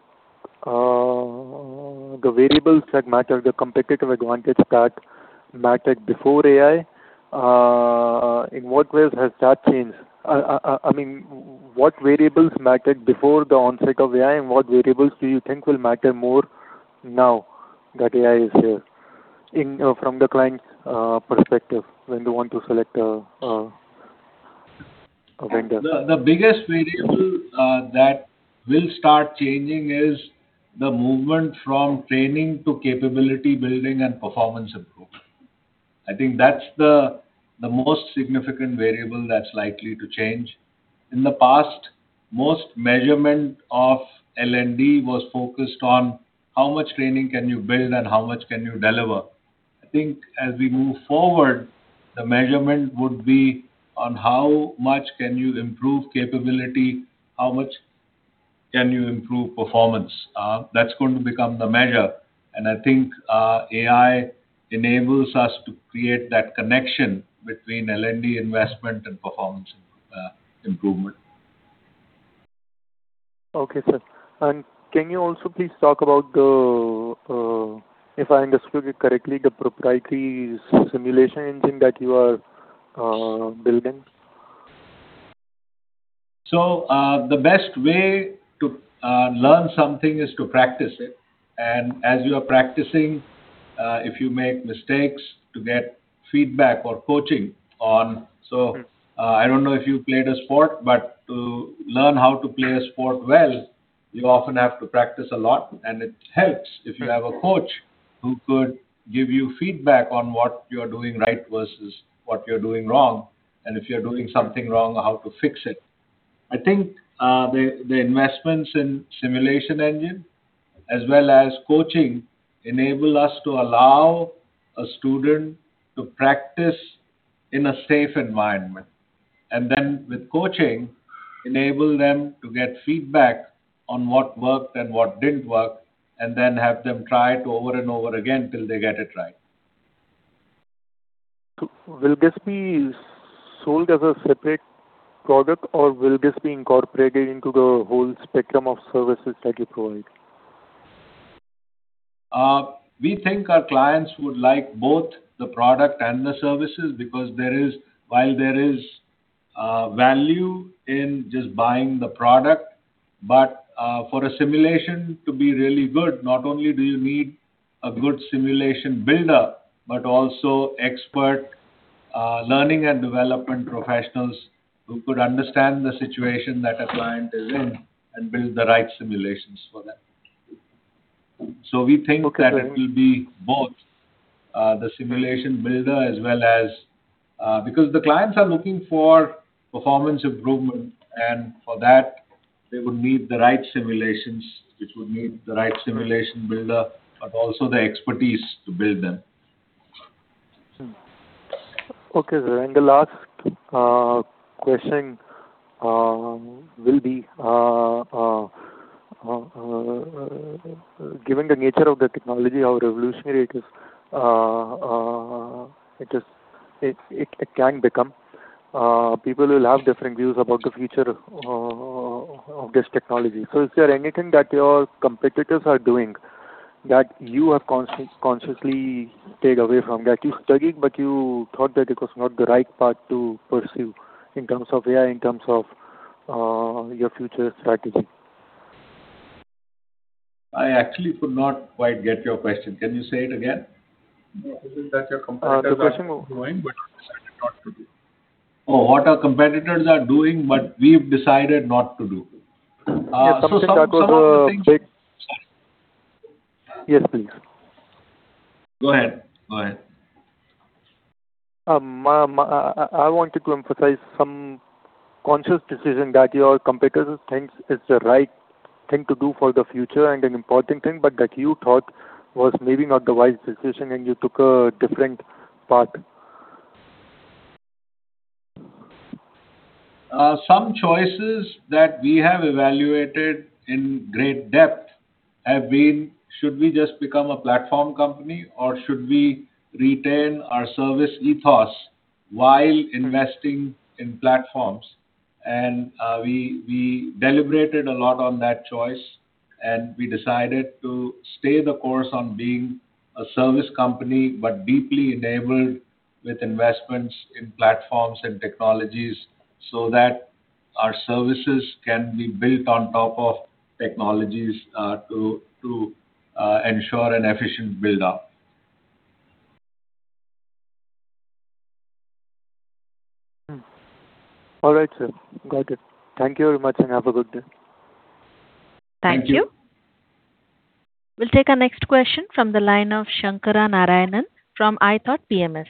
variables that matter, the competitive advantage that mattered before AI, in what ways has that changed? I mean, what variables mattered before the onset of AI, and what variables do you think will matter more now that AI is here in from the client perspective when they want to select a vendor? The biggest variable that will start changing is the movement from training to capability building and performance improvement. I think that's the most significant variable that's likely to change. In the past, most measurement of L&D was focused on how much training can you build and how much can you deliver. I think as we move forward, the measurement would be on how much can you improve capability, how much can you improve performance. That's going to become the measure, and I think AI enables us to create that connection between L&D investment and performance improvement. Okay, sir. Can you also please talk about the, if I understood it correctly, the proprietary simulation engine that you are building? The best way to learn something is to practice it and as you're practicing, if you make mistakes, to get feedback or coaching on. I don't know if you've played a sport, but to learn how to play a sport well, you often have to practice a lot, and it helps if you have a coach who could give you feedback on what you're doing right versus what you're doing wrong, and if you're doing something wrong, how to fix it. I think the investments in simulation engine as well as coaching enable us to allow a student to practice in a safe environment, and then with coaching, enable them to get feedback on what worked and what didn't work, and then have them try it over and over again till they get it right. Will this be sold as a separate product or will this be incorporated into the whole spectrum of services that you provide? We think our clients would like both the product and the services because while there is value in just buying the product, but for a simulation to be really good, not only do you need a good simulation builder, but also expert learning and development professionals who could understand the situation that a client is in and build the right simulations for them that it will be both the simulation builder as well as because the clients are looking for performance improvement, and for that they would need the right simulations, which would need the right simulation builder, but also the expertise to build them. Okay, sir. The last question will be given the nature of the technology, how revolutionary it is, it can become, people will have different views about the future of this technology. Is there anything that your competitors are doing that you have consciously stayed away from, that you studied, but you thought that it was not the right path to pursue in terms of AI, in terms of your future strategy? I actually could not quite get your question. Can you say it again? Is it that your competitors are doing but you decided not to do? What our competitors are doing, but we've decided not to do. Yes. Something that was big. Yes, please. Go ahead. I wanted to emphasize some conscious decision that your competitors think is the right thing to do for the future and an important thing, but that you thought was maybe not the wise decision and you took a different path. Some choices that we have evaluated in great depth have been: Should we just become a platform company or should we retain our service ethos while investing in platforms? We deliberated a lot on that choice, and we decided to stay the course on being a service company, but deeply enabled with investments in platforms and technologies so that our services can be built on top of technologies to ensure an efficient build-up. All right, sir. Got it. Thank you very much, and have a good day. Thank you. Thank you. We'll take our next question from the line of Sankaranarayanan from ithoughtpms.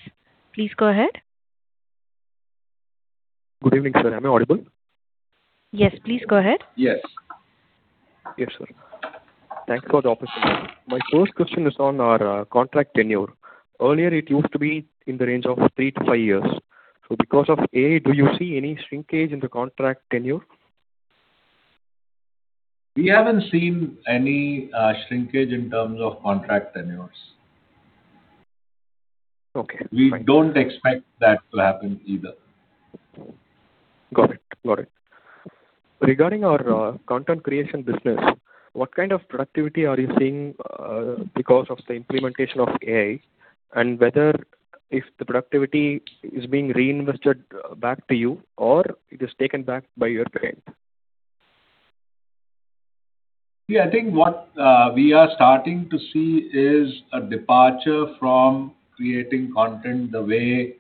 Please go ahead. Good evening, sir. Am I audible? Yes. Please go ahead. Yes. Yes, sir. Thanks for the opportunity. My first question is on our contract tenure. Earlier, it used to be in the range of threeto five years. Because of AI, do you see any shrinkage in the contract tenure? We haven't seen any shrinkage in terms of contract tenures. Okay. We don't expect that to happen either. Got it. Got it. Regarding our, content creation business, what kind of productivity are you seeing, because of the implementation of AI, and whether if the productivity is being reinvested back to you or it is taken back by your client? Yeah. I think what we are starting to see is a departure from creating content the way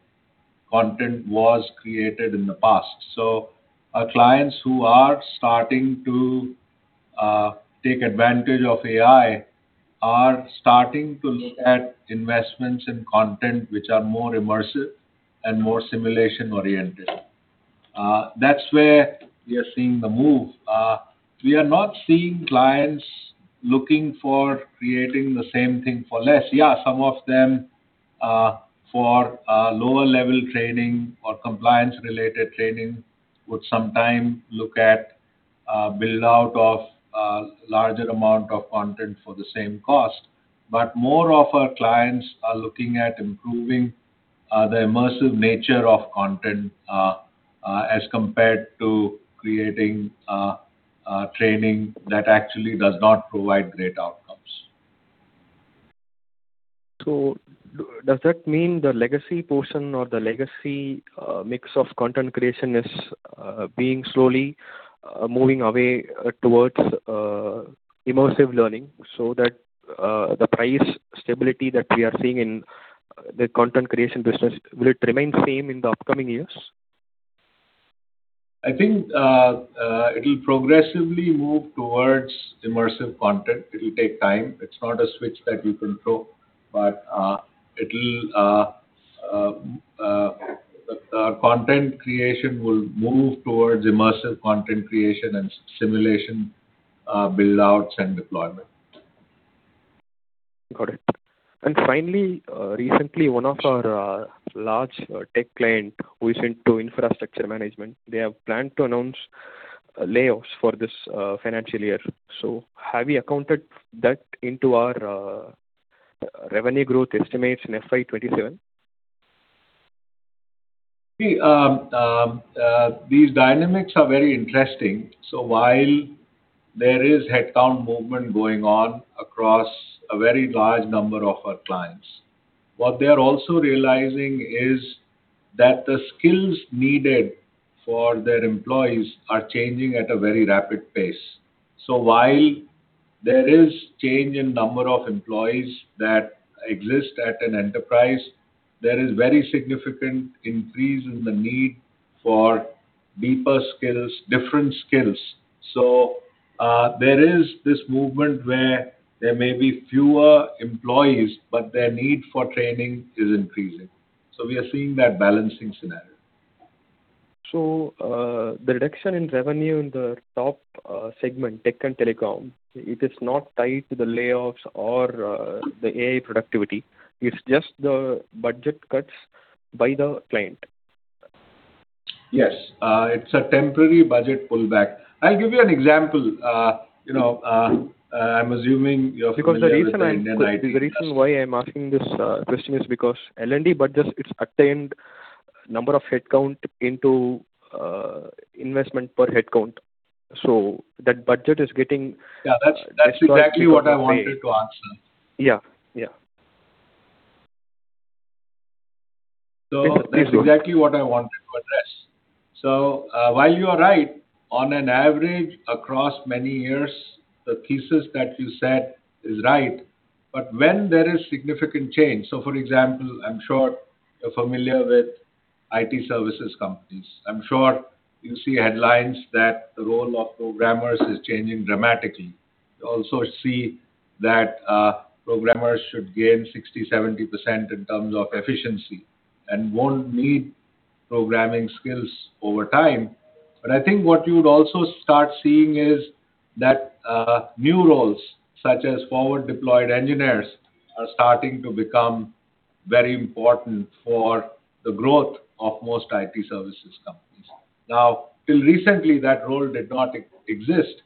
content was created in the past. Our clients who are starting to take advantage of AI are starting to look at investments in content which are more immersive and more simulation-oriented. That's where we are seeing the move. We are not seeing clients looking for creating the same thing for less. Yeah, some of them, for lower-level training or compliance-related training would sometime look at a build-out of a larger amount of content for the same cost. More of our clients are looking at improving the immersive nature of content as compared to creating training that actually does not provide great outcomes. Does that mean the legacy portion or the legacy mix of content creation is being slowly moving away towards immersive learning so that the price stability that we are seeing in the content creation business, will it remain same in the upcoming years? I think it'll progressively move towards immersive content. It'll take time. It's not a switch that you can throw, but the content creation will move towards immersive content creation and simulation build-outs and deployment. Got it. Finally, recently one of our large tech client who is into infrastructure management, they have planned to announce layoffs for this financial year. Have you accounted that into our revenue growth estimates in FY 2027? These dynamics are very interesting. While there is headcount movement going on across a very large number of our clients, what they are also realizing is that the skills needed for their employees are changing at a very rapid pace. While there is change in number of employees that exist at an enterprise, there is very significant increase in the need for deeper skills, different skills. There is this movement where there may be fewer employees, but their need for training is increasing. We are seeing that balancing scenario. The reduction in revenue in the top segment, tech and telecom, it is not tied to the layoffs or the AI productivity. It's just the budget cuts by the client. Yes. It's a temporary budget pullback. I'll give you an example. You know, I'm assuming you're familiar with Indian IT. The reason why I'm asking this question is because L&D budgets, it's attained number of headcount into investment per headcount. That budget is getting. Yeah, that's exactly what I wanted to answer. Yeah. Yeah. That's exactly what I wanted to address. While you are right, on an average across many years, the thesis that you said is right. When there is significant change, for example, I'm sure you're familiar with IT services companies. I'm sure you see headlines that the role of programmers is changing dramatically. You also see that programmers should gain 60%, 70% in terms of efficiency and won't need programming skills over time. I think what you would also start seeing is that new roles such as forward deployed engineers are starting to become very important for the growth of most IT services companies. Now, till recently, that role did not exist.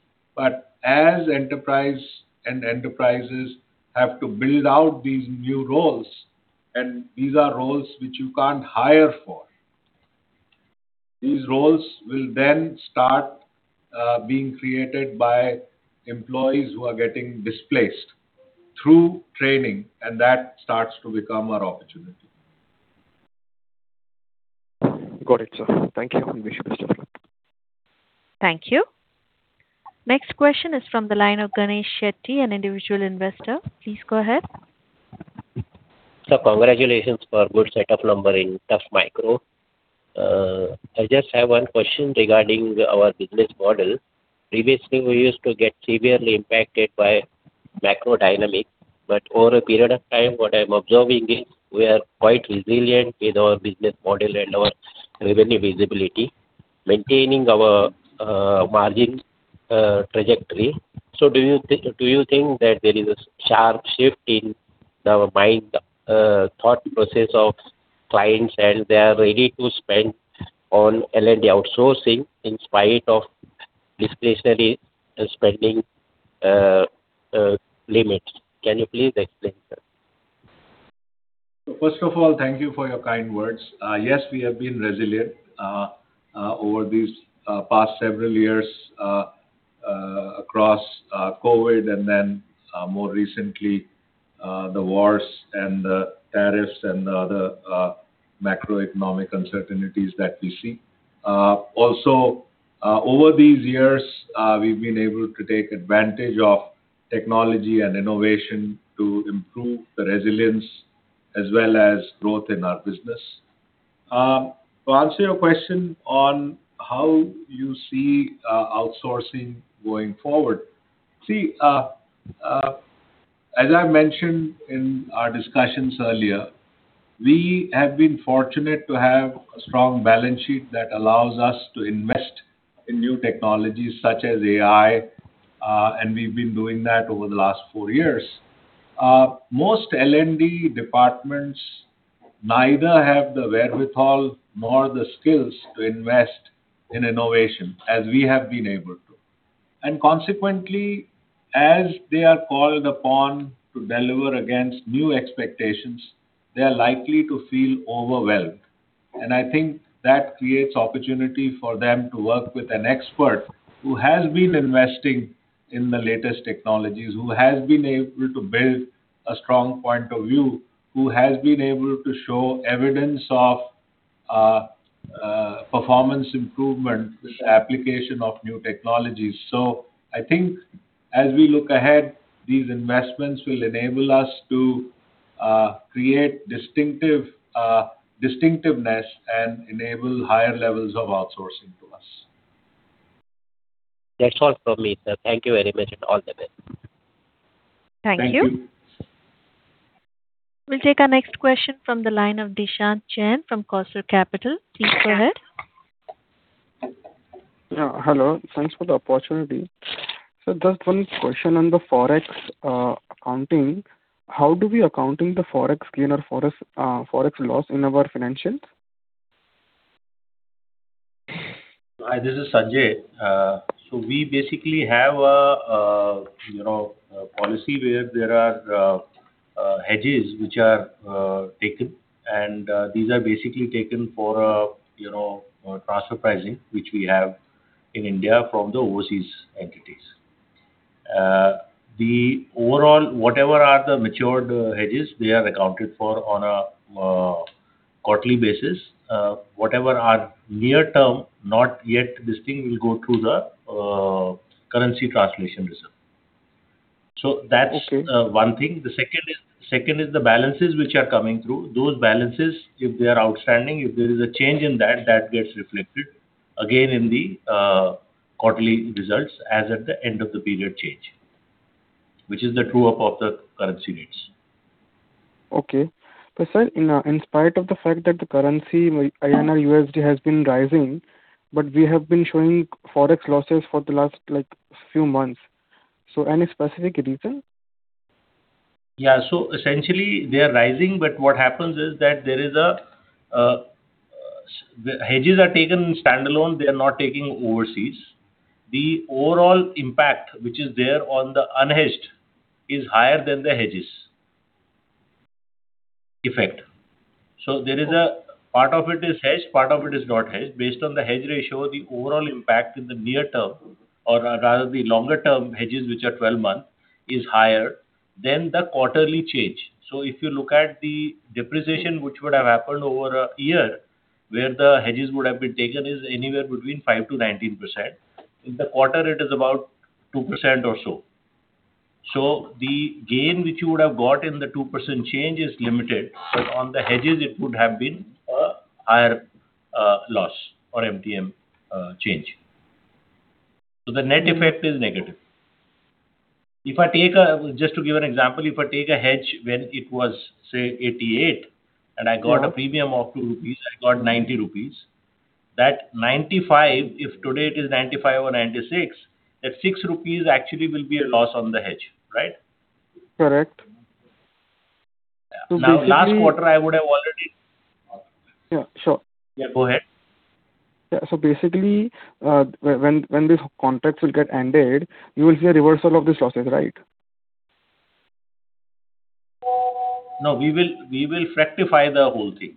As enterprise and enterprises have to build out these new roles, and these are roles which you can't hire for, these roles will then start being created by employees who are getting displaced through training, and that starts to become our opportunity. Got it, sir. Thank you. We wish you best of luck. Thank you. Next question is from the line of Ganesh Shetty, an individual investor. Please go ahead Sir, congratulations for good set of number in tough macro. I just have one question regarding our business model. Previously, we used to get severely impacted by macro dynamic, but over a period of time, what I'm observing is we are quite resilient with our business model and our revenue visibility, maintaining our margin trajectory. Do you think that there is a sharp shift in the mind thought process of clients and they are ready to spend on L&D outsourcing in spite of discretionary spending limits? Can you please explain, sir? First of all, thank you for your kind words. Yes, we have been resilient over these past several years across COVID and then more recently the wars and the tariffs and other macroeconomic uncertainties that we see. Also, over these years, we've been able to take advantage of technology and innovation to improve the resilience as well as growth in our business. To answer your question on how you see outsourcing going forward. See, as I mentioned in our discussions earlier, we have been fortunate to have a strong balance sheet that allows us to invest in new technologies such as AI, and we've been doing that over the last four years. Most L&D departments neither have the wherewithal nor the skills to invest in innovation as we have been able to. Consequently, as they are called upon to deliver against new expectations, they are likely to feel overwhelmed. I think that creates opportunity for them to work with an expert who has been investing in the latest technologies, who has been able to build a strong point of view, who has been able to show evidence of performance improvement with the application of new technologies. I think as we look ahead, these investments will enable us to create distinctive distinctiveness and enable higher levels of outsourcing to us. That's all from me, sir. Thank you very much and all the best. Thank you. Thank you. We will take our next question from the line of Dishant Jain from Quasar Capital. Please go ahead. Yeah. Hello. Thanks for the opportunity. Just one question on the forex, account. How do we account the forex gain or forex loss in our financials? Hi, this is Sanjay. We basically have a, you know, a policy where there are hedges which are taken, and these are basically taken for, you know, transfer pricing, which we have in India from the overseas entities. The overall, whatever are the matured hedges, they are accounted for on a quarterly basis. Whatever are near term, not yet distinct, will go through the currency translation reserve. One thing. The second is the balances which are coming through. Those balances, if they are outstanding, if there is a change in that gets reflected again in the quarterly results as at the end of the period change, which is the true-up of the currency rates. Okay. Sir, in spite of the fact that the currency INR/USD has been rising, but we have been showing forex losses for the last, like, few months. Any specific reason? Yeah. Essentially they are rising, but what happens is that there is a the hedges are taken standalone. They are not taking overseas. The overall impact which is there on the unhedged is higher than the hedges effect. Part of it is hedged, part of it is not hedged. Based on the hedge ratio, the overall impact in the near term, or rather the longer-term hedges, which are 12 months, is higher than the quarterly change. If you look at the depreciation which would have happened over a year, where the hedges would have been taken is anywhere between 5%-19%. In the quarter, it is about 2% or so. The gain which you would have got in the 2% change is limited, but on the hedges it would have been a higher loss or MTM change. The net effect is negative. Just to give an example, if I take a hedge when it was, say, 88 and I got a premium of 2 rupees, I got 90 rupees. That 95, if today it is 95 or 96, that 6 rupees actually will be a loss on the hedge, right? Correct. last quarter I would have already- Yeah, sure. Yeah, go ahead. Yeah. Basically, when these contracts will get ended, you will see a reversal of this process, right? No, we will rectify the whole thing.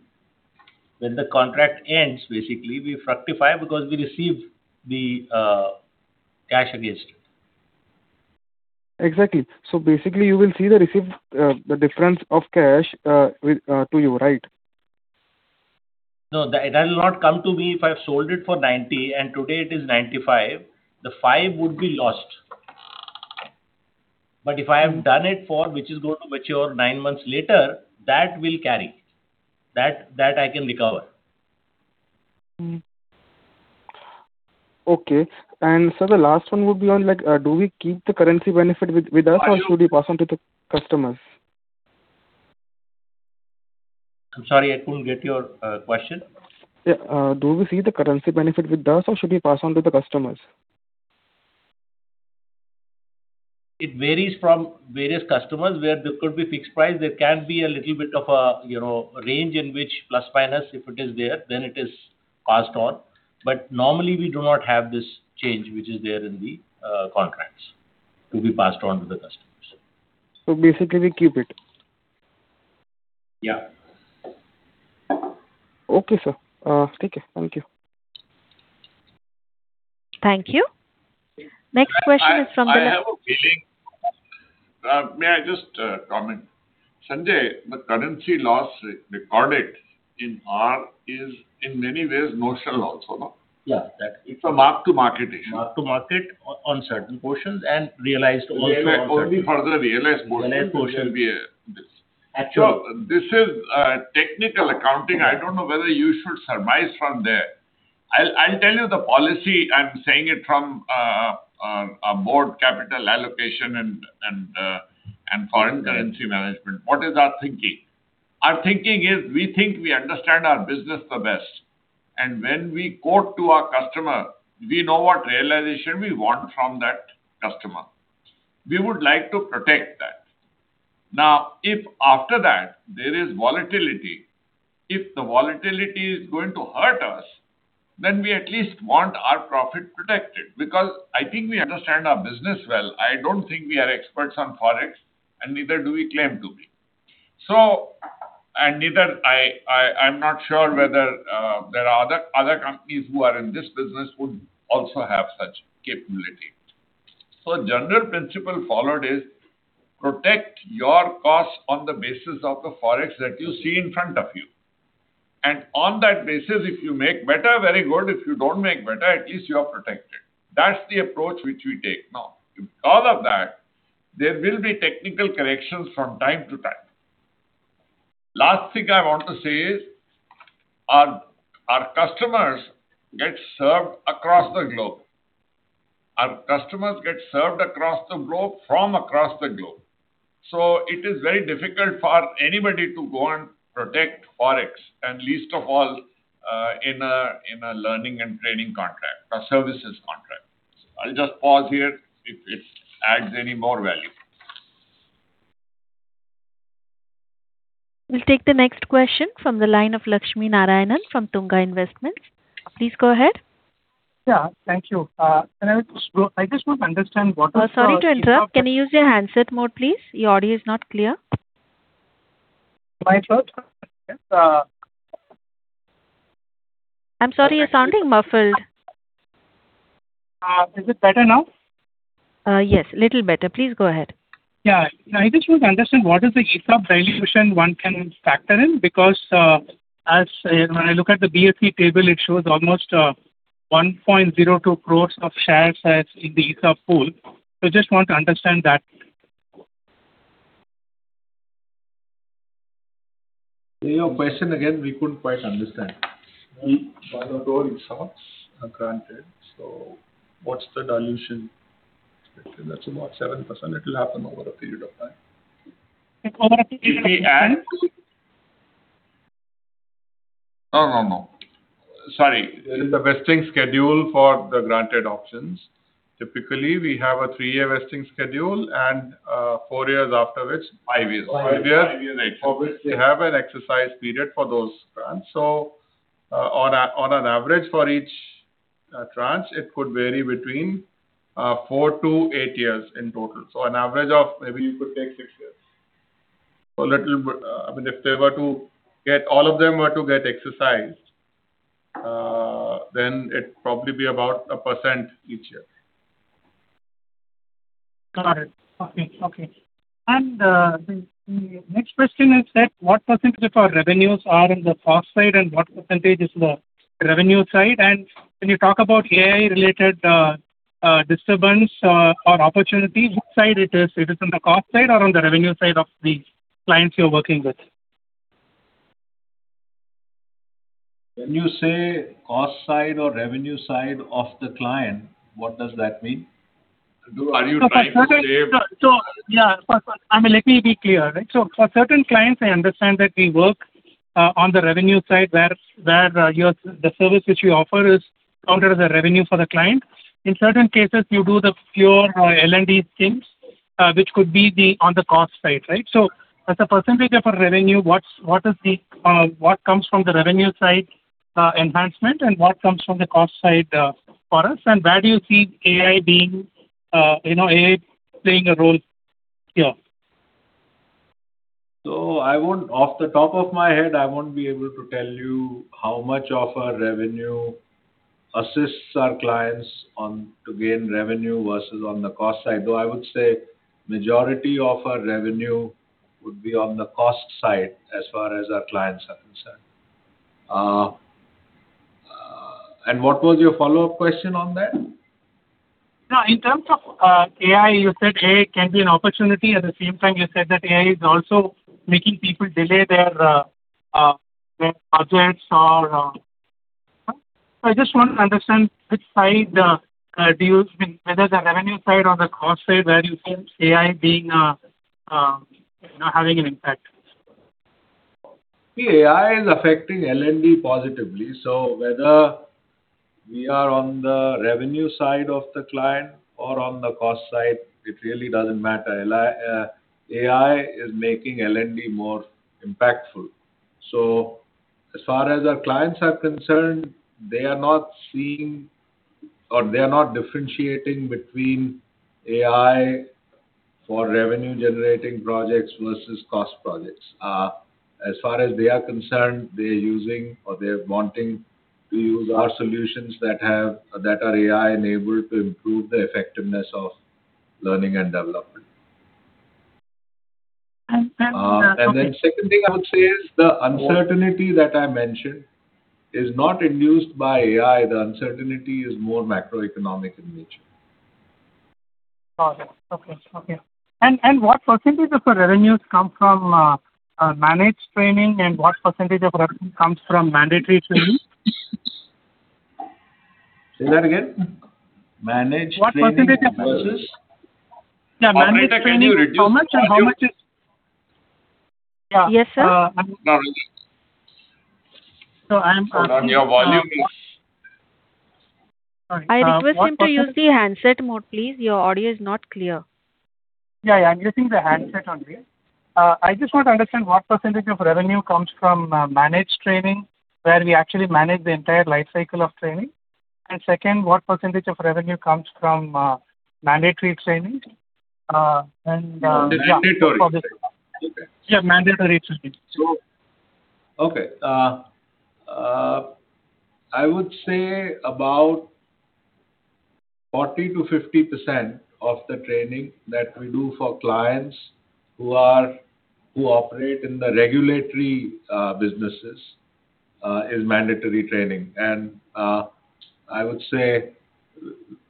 When the contract ends, basically, we rectify because we receive the cash against it. Exactly. Basically you will see the receipt, the difference of cash, with to you, right? That will not come to me if I've sold it for 90 and today it is 95. The 5 would be lost. If I have done it for which is going to mature nine months later, that will carry. That I can recover. Okay. Sir, the last one would be on, like, do we keep the currency benefit with us or should we pass on to the customers? I'm sorry, I couldn't get your question. Yeah. Do we see the currency benefit with us or should we pass on to the customers? It varies from various customers where there could be fixed price. There can be a little bit of a, you know, range in which plus/minus if it is there, then it is passed on. Normally we do not have this change which is there in the contracts to be passed on to the customers. Basically we keep it. Yeah. Okay, sir. Take care. Thank you. Thank you. Next question is from- I have a feeling. May I just comment? Sanjay, the currency loss recorded in P&L is in many ways notional also, no? Yeah, Mark to market issue. Mark to market on certain portions and realized also on certain-. Only further realized portions will be, this. Actual- This is technical accounting. I don't know whether you should surmise from there. I'll tell you the policy. I'm saying it from a board capital allocation and foreign currency management. What is our thinking? Our thinking is we think we understand our business the best. When we quote to our customer, we know what realization we want from that customer. We would like to protect that. If after that there is volatility, if the volatility is going to hurt us, then we at least want our profit protected because I think we understand our business well. I don't think we are experts on Forex, neither do we claim to be. Neither I'm not sure whether there are other companies who are in this business would also have such capability. General principle followed is protect your cost on the basis of the Forex that you see in front of you. On that basis, if you make better, very good. If you don't make better, at least you are protected. That's the approach which we take. Because of that, there will be technical corrections from time to time. Last thing I want to say is our customers get served across the globe. Our customers get served across the globe from across the globe. It is very difficult for anybody to go and protect Forex, and least of all, in a learning and training contract or services contract. I'll just pause here if it adds any more value. We'll take the next question from the line of Lakshmi Narayanan from Tunga Investments. Please go ahead. Yeah. Thank you. I just want to understand what is. Sorry to interrupt. Can you use your handset mode, please? Your audio is not clear. My first, I'm sorry, you're sounding muffled. Is it better now? Yes, little better. Please go ahead. Yeah. I just want to understand what is the ESOP dilution one can factor in because, as, when I look at the BSE table it shows almost, 1.02 crores of shares as in the ESOP pool. Just want to understand that. Say your question again. We couldn't quite understand. INR 1.02 crores, what's the dilution? That's about 7%. It will happen over a period of time. Over a period of time. If we add no. Sorry. There is a vesting schedule for the granted options. Typically, we have a three-year vesting schedule and four years. Five years. Five years. five years, eight years. Obviously have an exercise period for those grants. On an average for each tranche it could vary between four to eight years in total. It could take six years. A little bit. I mean, if all of them were to get exercised, it'd probably be about 1% each year. Got it. Okay. Okay. The next question is that what percentage of our revenues are in the cost side and what percentage is the revenue side? When you talk about AI related disturbance or opportunities, which side it is? It is on the cost side or on the revenue side of the clients you're working with? When you say cost side or revenue side of the client, what does that mean? Yeah. For, I mean, let me be clear, right? For certain clients, I understand that we work on the revenue side where, the service which you offer is counted as a revenue for the client. In certain cases you do the pure L&D things, which could be on the cost side, right? As a percentage of our revenue, what is the what comes from the revenue side enhancement and what comes from the cost side for us? Where do you see AI playing a role here? Off the top of my head, I won't be able to tell you how much of our revenue. Assists our clients on to gain revenue versus on the cost side. Though, I would say majority of our revenue would be on the cost side as far as our clients are concerned. What was your follow-up question on that? No, in terms of AI, you said AI can be an opportunity. At the same time, you said that AI is also making people delay their budgets or I just want to understand which side, I mean, whether the revenue side or the cost side, where you think AI being, you know, having an impact? AI is affecting L&D positively. Whether we are on the revenue side of the client or on the cost side, it really doesn't matter. AI is making L&D more impactful. As far as our clients are concerned, they are not seeing or they are not differentiating between AI for revenue-generating projects versus cost projects. As far as they are concerned, they're using or they're wanting to use our solutions that are AI-enabled to improve the effectiveness of learning and development. That's okay. Second thing I would say is the uncertainty that I mentioned is not induced by AI. The uncertainty is more macroeconomic in nature. Got it. Okay, okay. What percentage of the revenues come from managed training, and what percentage of revenue comes from mandatory training? Say that again. Managed training- What percentage of- Versus- Operator, can you reduce the volume? How much and how much is? Yes, sir. Now reduce. So I am- Hold on. Your volume is Sorry. I request him to use the handset mode, please. Your audio is not clear. Yeah, I'm using the handset only. I just want to understand what percentage of revenue comes from managed training, where we actually manage the entire life cycle of training. Second, what percentage of revenue comes from mandatory training. You mean the mandatory training? Okay. Yeah, mandatory training. Okay. I would say about 40%-50% of the training that we do for clients who operate in the regulatory businesses is mandatory training. I would say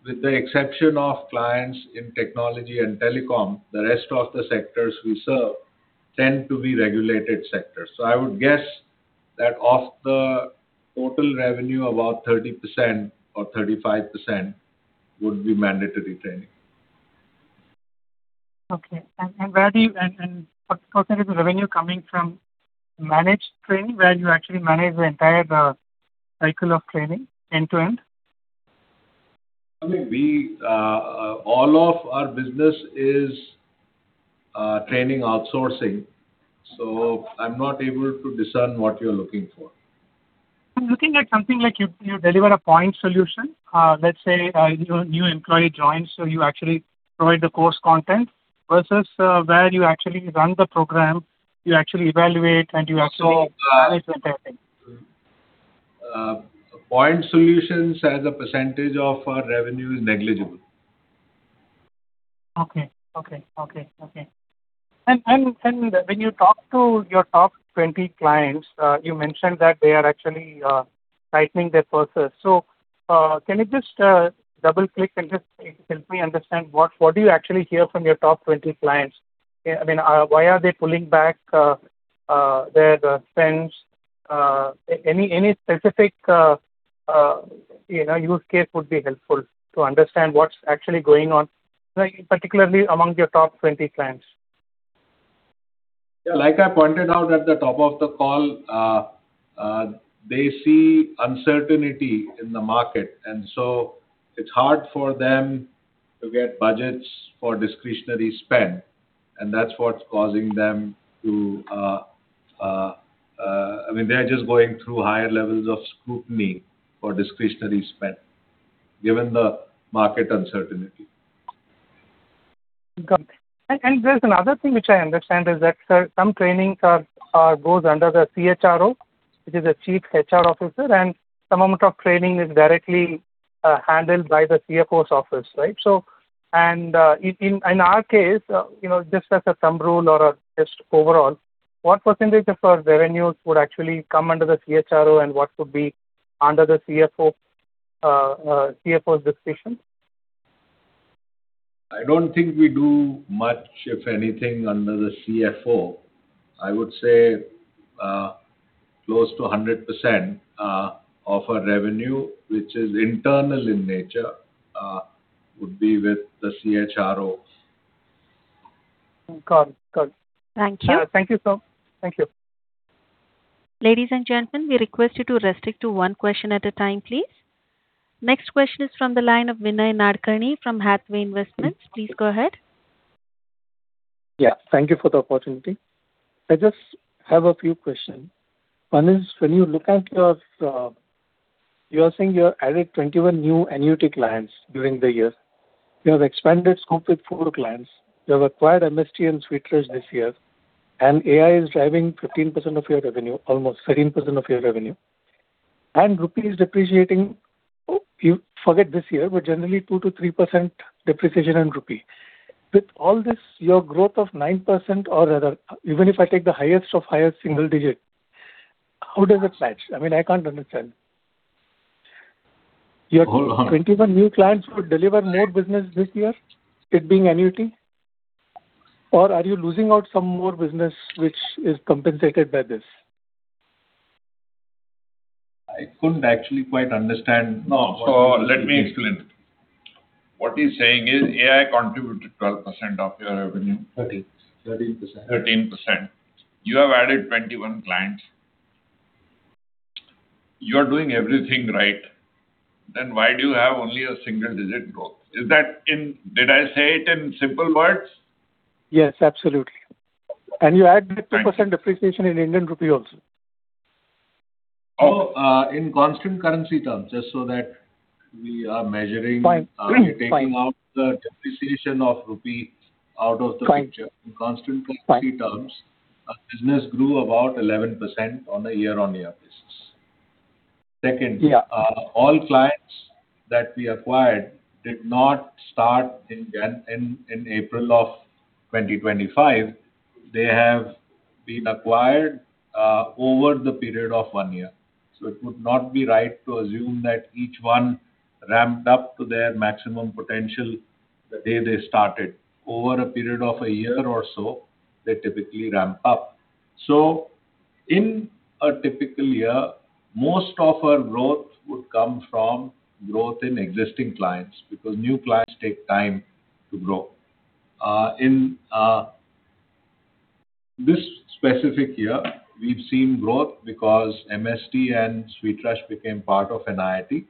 with the exception of clients in technology and telecom, the rest of the sectors we serve tend to be regulated sectors. I would guess that of the total revenue, about 30% or 35% would be mandatory training. Okay. What percentage of revenue coming from managed training, where you actually manage the entire cycle of training end to end? I mean, we All of our business is training outsourcing, so I'm not able to discern what you're looking for. I'm looking at something like you deliver a point solution. Let's say, you know, a new employee joins, so you actually provide the course content versus, where you actually run the program, you actually evaluate. Manage the entire thing. Point solutions as a percentage of our revenue is negligible. Okay. Okay. Okay. Okay. When you talk to your top 20 clients, you mentioned that they are actually tightening their purses. Can you just double-click and just help me understand what do you actually hear from your top 20 clients? I mean, why are they pulling back their spends? Any specific, you know, use case would be helpful to understand what's actually going on, like particularly among your top 20 clients. Yeah. Like I pointed out at the top of the call, they see uncertainty in the market. It's hard for them to get budgets for discretionary spend. That's what's causing them to, I mean, they're just going through higher levels of scrutiny for discretionary spend given the market uncertainty. Got it. There's another thing which I understand is that, sir, some training goes under the CHRO, which is the Chief HR Officer, and some amount of training is directly handled by the CFO's office, right? In our case, you know, just as a thumb rule or just overall, what percentage of our revenues would actually come under the CHRO and what would be under the CFO's discretion? I don't think we do much, if anything, under the CFO. I would say, close to 100% of our revenue, which is internal in nature, would be with the CHRO. Got it. Got it. Thank you. Thank you, sir. Thank you. Ladies and gentlemen, we request you to restrict to one question at a time, please. Next question is from the line of Vinay Nadkarni from Hathaway Investments. Please go ahead. Yeah. Thank you for the opportunity. I just have a few questions. One is, when you look at your. You are saying you have added 21 new annuity clients during the year. You have expanded scope with four clients. You have acquired MTS and SweetRush this year, AI is driving 15% of your revenue, almost 13% of your revenue. Rupee is depreciating. You forget this year, but generally 2%-3% depreciation in rupee. With all this, your growth of 9%, or rather, even if I take the highest of highest single digit, how does it match? I mean, I can't understand. Hold on. Your 21 new clients would deliver more business this year, it being annuity? Are you losing out some more business which is compensated by this? I couldn't actually quite understand- No. Let me explain. What he's saying is AI contributed 12% of your revenue. 13%. 13%. 13%. You have added 21 clients. You're doing everything right. Why do you have only a single-digit growth? Did I say it in simple words? Yes, absolutely... 3% depreciation in Indian rupee also. In constant currency terms, just so that we are measuring Fine. Fine. We're taking out the depreciation of rupee picture. In constant currency terms. our business grew about 11% on a year-on-year basis. Second- All clients that we acquired did not start in January in April of 2025. They have been acquired over the period of one year. It would not be right to assume that each one ramped up to their maximum potential the day they started. Over a period of a year or so, they typically ramp up. In a typical year, most of our growth would come from growth in existing clients because new clients take time to grow. In this specific year, we've seen growth because MTS and SweetRush became part of an NIIT,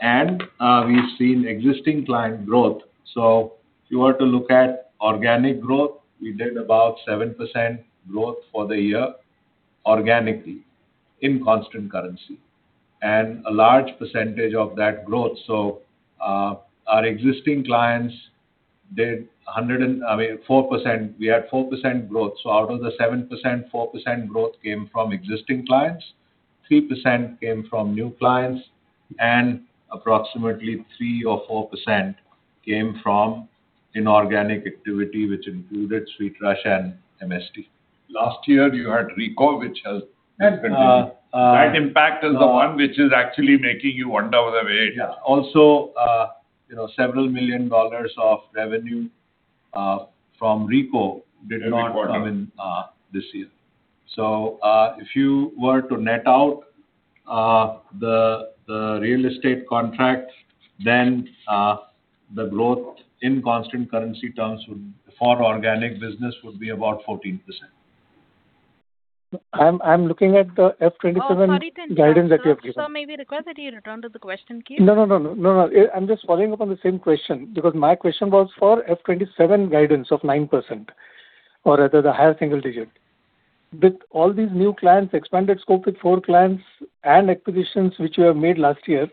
and we've seen existing client growth. If you were to look at organic growth, we did about 7% growth for the year organically in constant currency, and a large percentage of that growth. Our existing clients did I mean, 4%. We had 4% growth. Out of the 7%, 4% growth came from existing clients, 3% came from new clients, and approximately 3% or 4% came from inorganic activity, which included SweetRush and MTS. Last year, you had RECO, which has- And, uh- That impact is the one which is actually making you wonder. Yeah. Also, you know, several million dollars of revenue from RECO did not come in, this year. If you were to net out, the real estate contract, then, the growth in constant currency terms would, for organic business, would be about 14%. I'm looking at the FY 2027. Oh, sorry to interrupt you. Guidance that you have given. Sir, may we request that you return to the question queue? No, no, no. No, no. I'm just following up on the same question because my question was for FY 2027 guidance of 9% or rather the higher single digit. With all these new clients, expanded scope with four clients and acquisitions which you have made last year,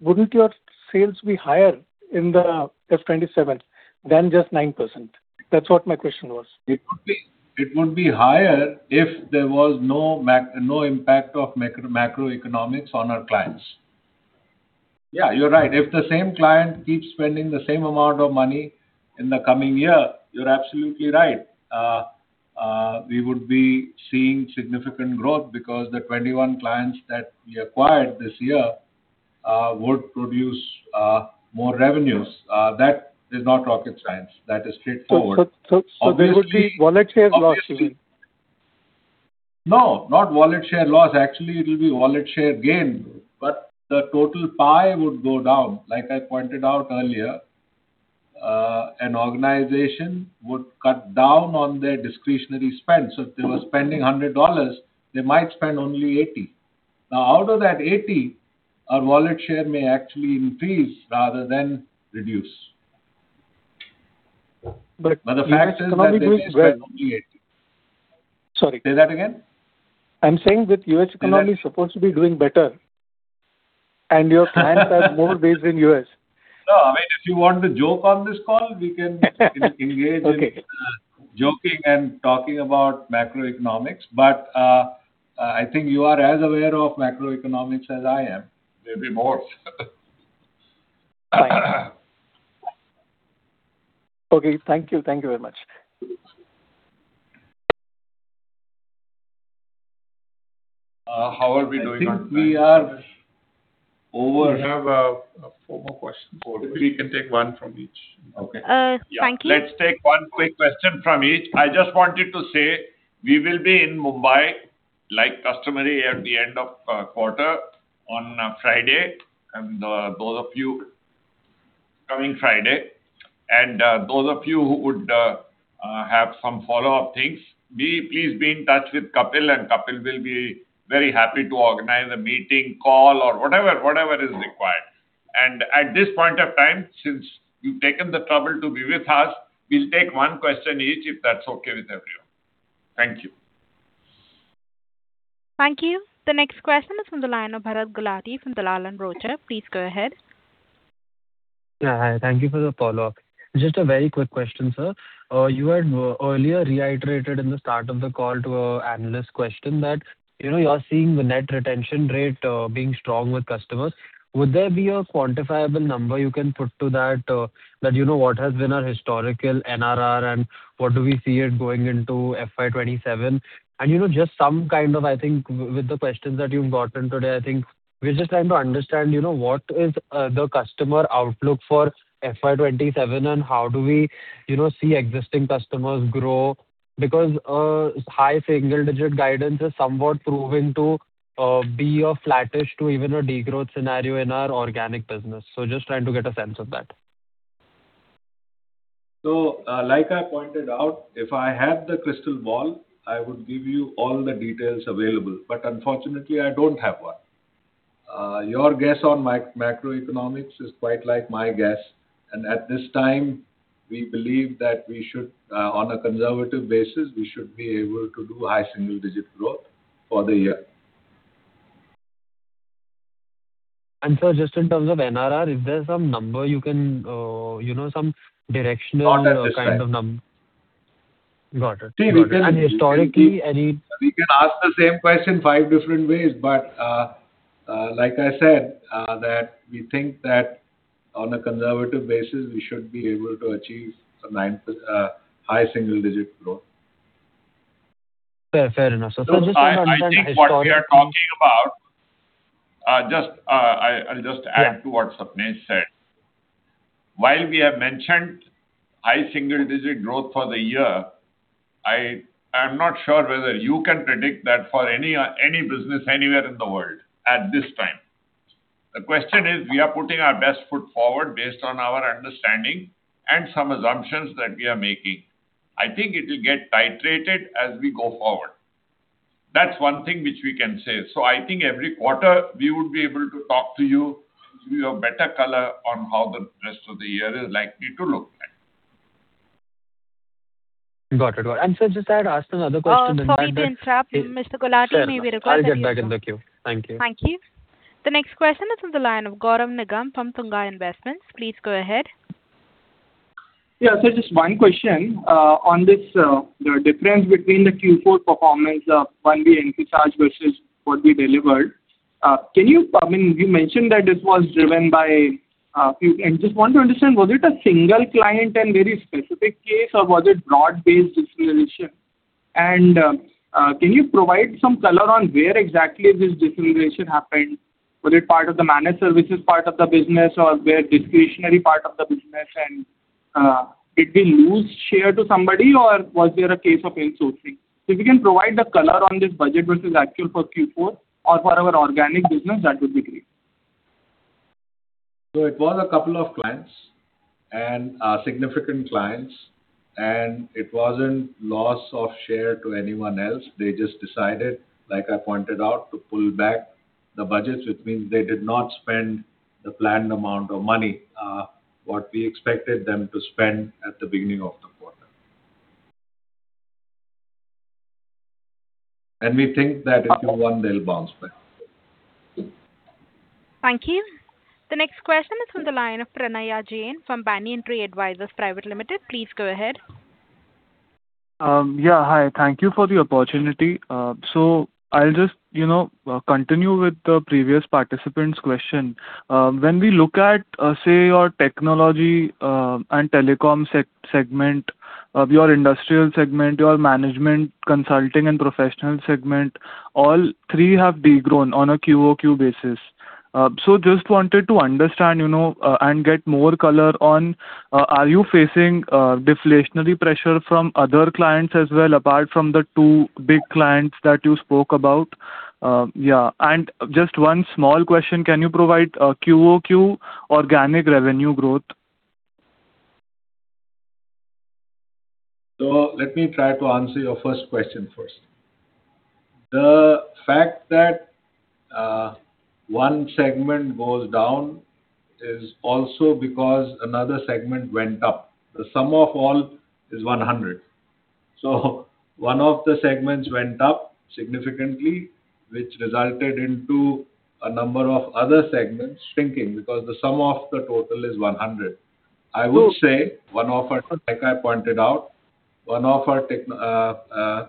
wouldn't your sales be higher in the FY2027 than just 9%? That's what my question was. It would be, it would be higher if there was no impact of macro, macroeconomics on our clients. Yeah, you're right. If the same client keeps spending the same amount of money in the coming year, you're absolutely right. We would be seeing significant growth because the 21 clients that we acquired this year would produce more revenues. That is not rocket science. That is straightforward. So, so- Obviously- There would be wallet share loss. No, not wallet share loss. Actually, it'll be wallet share gain, the total pie would go down. Like I pointed out earlier, an organization would cut down on their discretionary spend. If they were spending $100, they might spend only $80. Out of that $80, our wallet share may actually increase rather than reduce. But- The fact is that they may spend only $80. Sorry. Say that again. I'm saying with U.S. economy supposed to be doing better, and your clients are more based in U.S. No. I mean, if you want to joke on this call, engage in joking and talking about macroeconomics. I think you are as aware of macroeconomics as I am. Maybe more Fine. Okay. Thank you. Thank you very much. How are we doing on time? I think we are over. We have four more questions. Four. We can take one from each. Okay. Frank Lee. Yeah. Let's take one quick question from each. I just wanted to say we will be in Mumbai, like customary, at the end of quarter on Friday. Those of you Coming Friday. Those of you who would have some follow-up things, please be in touch with Kapil, and Kapil will be very happy to organize a meeting, call, or whatever is required. At this point of time, since you've taken the trouble to be with us, we'll take one question each, if that's okay with everyone. Thank you. Thank you. The next question is from the line of Bharat Gulati from Dalal & Broacha. Please go ahead. Hi. Thank you for the follow-up. Just a very quick question, sir. You had earlier reiterated in the start of the call to an analyst question that, you know, you're seeing the net retention rate being strong with customers. Would there be a quantifiable number you can put to that you know what has been our historical NRR and what do we see it going into FY 2027? You know, just some kind of, I think, with the questions that you've gotten today, I think we're just trying to understand, you know, what is the customer outlook for FY 2027 and how do we, you know, see existing customers grow because high single-digit guidance is somewhat proving to be a flattish to even a degrowth scenario in our organic business. Just trying to get a sense of that. Like I pointed out, if I had the crystal ball, I would give you all the details available, but unfortunately I don't have one. Your guess on macroeconomics is quite like my guess. At this time, we believe that we should, on a conservative basis, we should be able to do high single-digit growth for the year. Just in terms of NRR, is there some number you can, you know? Not at this time. kind of Got it. See, we can- And historically, any- We can ask the same question five different ways, but, like I said, that we think that on a conservative basis, we should be able to achieve some high single-digit growth. Fair, fair enough. I think what we are talking about, just, I'll just add to what Sapnesh said. While we have mentioned high single-digit growth for the year, I'm not sure whether you can predict that for any business anywhere in the world at this time. The question is, we are putting our best foot forward based on our understanding and some assumptions that we are making. I think it'll get titrated as we go forward. That's one thing which we can say. I think every quarter we would be able to talk to you, give you a better color on how the rest of the year is likely to look like. Got it. Got it. Just I had asked another question. Sorry to interrupt, Mr. Gulati. Fair enough. Maybe we'll go to the next one. I'll get back in the queue. Thank you. Thank you. The next question is on the line of Gaurav Nigam from Tunga Investments. Please go ahead. Just one question on this, the difference between the Q4 performance of one we emphasized versus what we delivered? Just want to understand, was it a single client and very specific case or was it broad-based deceleration? Can you provide some color on where exactly this deceleration happened? Was it part of the managed services part of the business or was it discretionary part of the business? Did we lose share to somebody or was there a case of insourcing? If you can provide the color on this budget versus actual for Q4 or for our organic business, that would be great. It was a couple of clients and significant clients, and it wasn't loss of share to anyone else. They just decided, like I pointed out, to pull back the budgets, which means they did not spend the planned amount of money, what we expected them to spend at the beginning of the quarter. We think that if you want, they'll bounce back. Thank you. The next question is from the line of Pranaya Jain from Banyan Tree Advisors Private Limited. Please go ahead. Yeah, hi. Thank you for the opportunity. I'll just, you know, continue with the previous participant's question. When we look at, say your technology, and telecom segment, your industrial segment, your management consulting and professional segment, all three have de-grown on a Q-o-Q basis. Just wanted to understand, you know, and get more color on, are you facing, deflationary pressure from other clients as well apart from the two big clients that you spoke about? Yeah. Just one small question, can you provide a Q-o-Q organic revenue growth? Let me try to answer your first question first. The fact that one segment goes down is also because another segment went up. The sum of all is 100. One of the segments went up significantly, which resulted into a number of other segments shrinking because the sum of the total is 100. I would say like I pointed out, a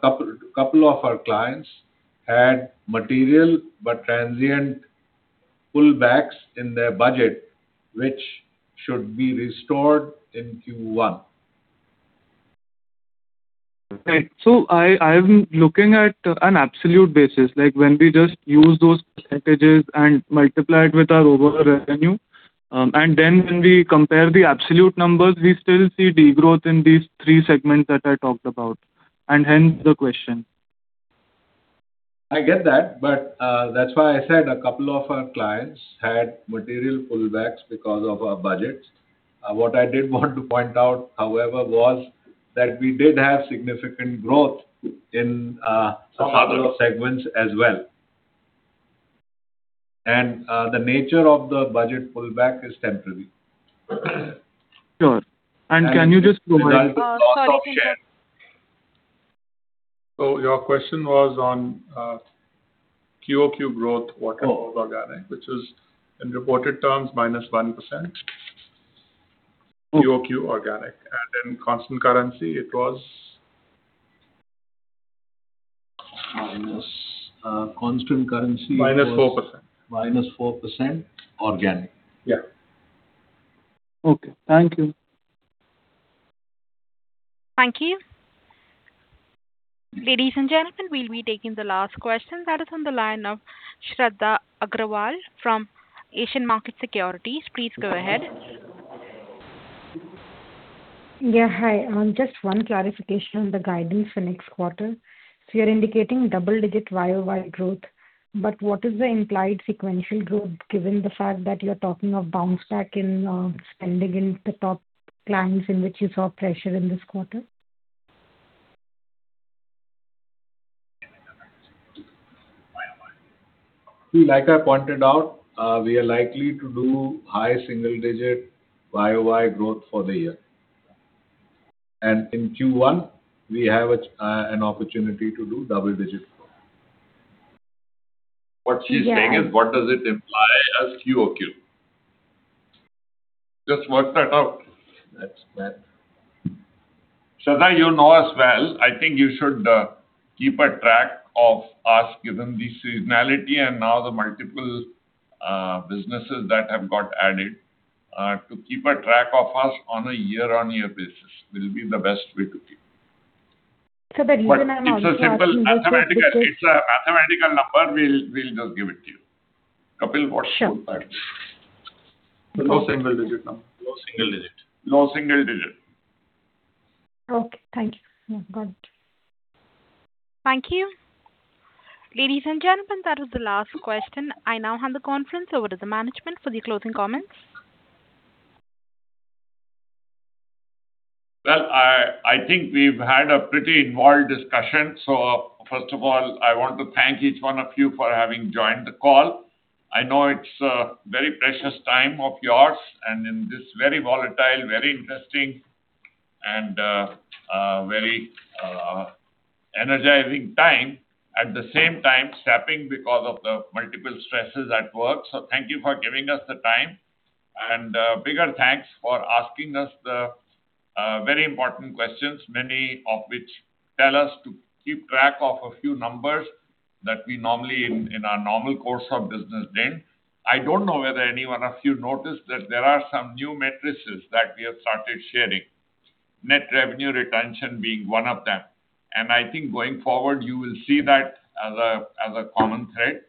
couple of our clients had material but transient pullbacks in their budget, which should be restored in Q1. Right. I am looking at an absolute basis, like when we just use those percentages and multiply it with our overall revenue. Then when we compare the absolute numbers, we still see degrowth in these three segments that I talked about. Hence the question. I get that, but, that's why I said a couple of our clients had material pullbacks because of our budgets. What I did want to point out, however, was that we did have significant growth in some other a couple of segments as well. The nature of the budget pullback is temporary. Sure. It results in lower cost share. Sorry to interrupt. Your question was on Q-o-Q growth quarter-over-organic, which is in reported terms minus 1% Q-o-Q organic. In constant currency it was. Minus, constant currency. -4%. -4% organic. Yeah. Okay. Thank you. Thank you. Ladies and gentlemen, we'll be taking the last question. That is on the line of Shradha Agrawal from Asian Markets Securities. Please go ahead. Yeah, hi. Just one clarification on the guidance for next quarter. You're indicating double-digit year-over-year growth, but what is the implied sequential growth, given the fact that you're talking of bounce back in spending in the top clients in which you saw pressure in this quarter? See, like I pointed out, we are likely to do high single-digit Y-o-Y growth for the year. In Q1 we have an opportunity to do double-digit growth. What she's saying is what does it imply as Q-o-Q? Just work that out. Shradha, you know us well. I think you should keep a track of us, given the seasonality and now the multiple businesses that have got added, to keep a track of us on a year-on-year basis will be the best way to keep. The reason I'm asking that. It's a mathematical number. We'll just give it to you. Kapil, what should I? Sure. Low single digit number. Low single digit. Low single digit. Okay, thank you. Yeah, got it. Thank you. Ladies and gentlemen, that was the last question. I now hand the conference over to the management for the closing comments. I think we've had a pretty involved discussion. First of all, I want to thank each one of you for having joined the call. I know it's a very precious time of yours and in this very volatile, very interesting and very energizing time, at the same time sapping because of the multiple stresses at work. Thank you for giving us the time. Bigger thanks for asking us the very important questions, many of which tell us to keep track of a few numbers that we normally in our normal course of business don't. I don't know whether any one of you noticed that there are some new metrics that we have started sharing, net revenue retention being one of them. I think going forward you will see that as a common thread.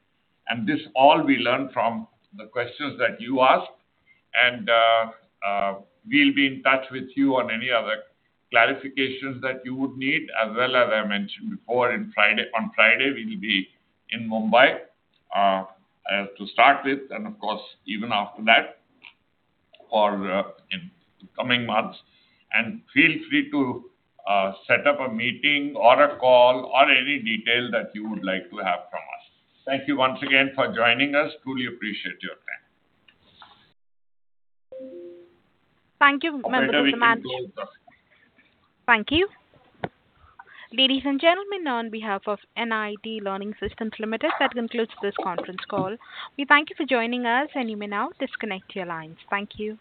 This all we learn from the questions that you asked. We'll be in touch with you on any other clarifications that you would need. As well as I mentioned before on Friday we will be in Mumbai to start with and of course even after that for in the coming months. Feel free to set up a meeting or a call or any detail that you would like to have from us. Thank you once again for joining us. Truly appreciate your time. Thank you, members of the management. With that we can close. Thank you. Ladies and gentlemen, on behalf of NIIT Learning Systems Limited, that concludes this conference call. We thank you for joining us, and you may now disconnect your lines. Thank you.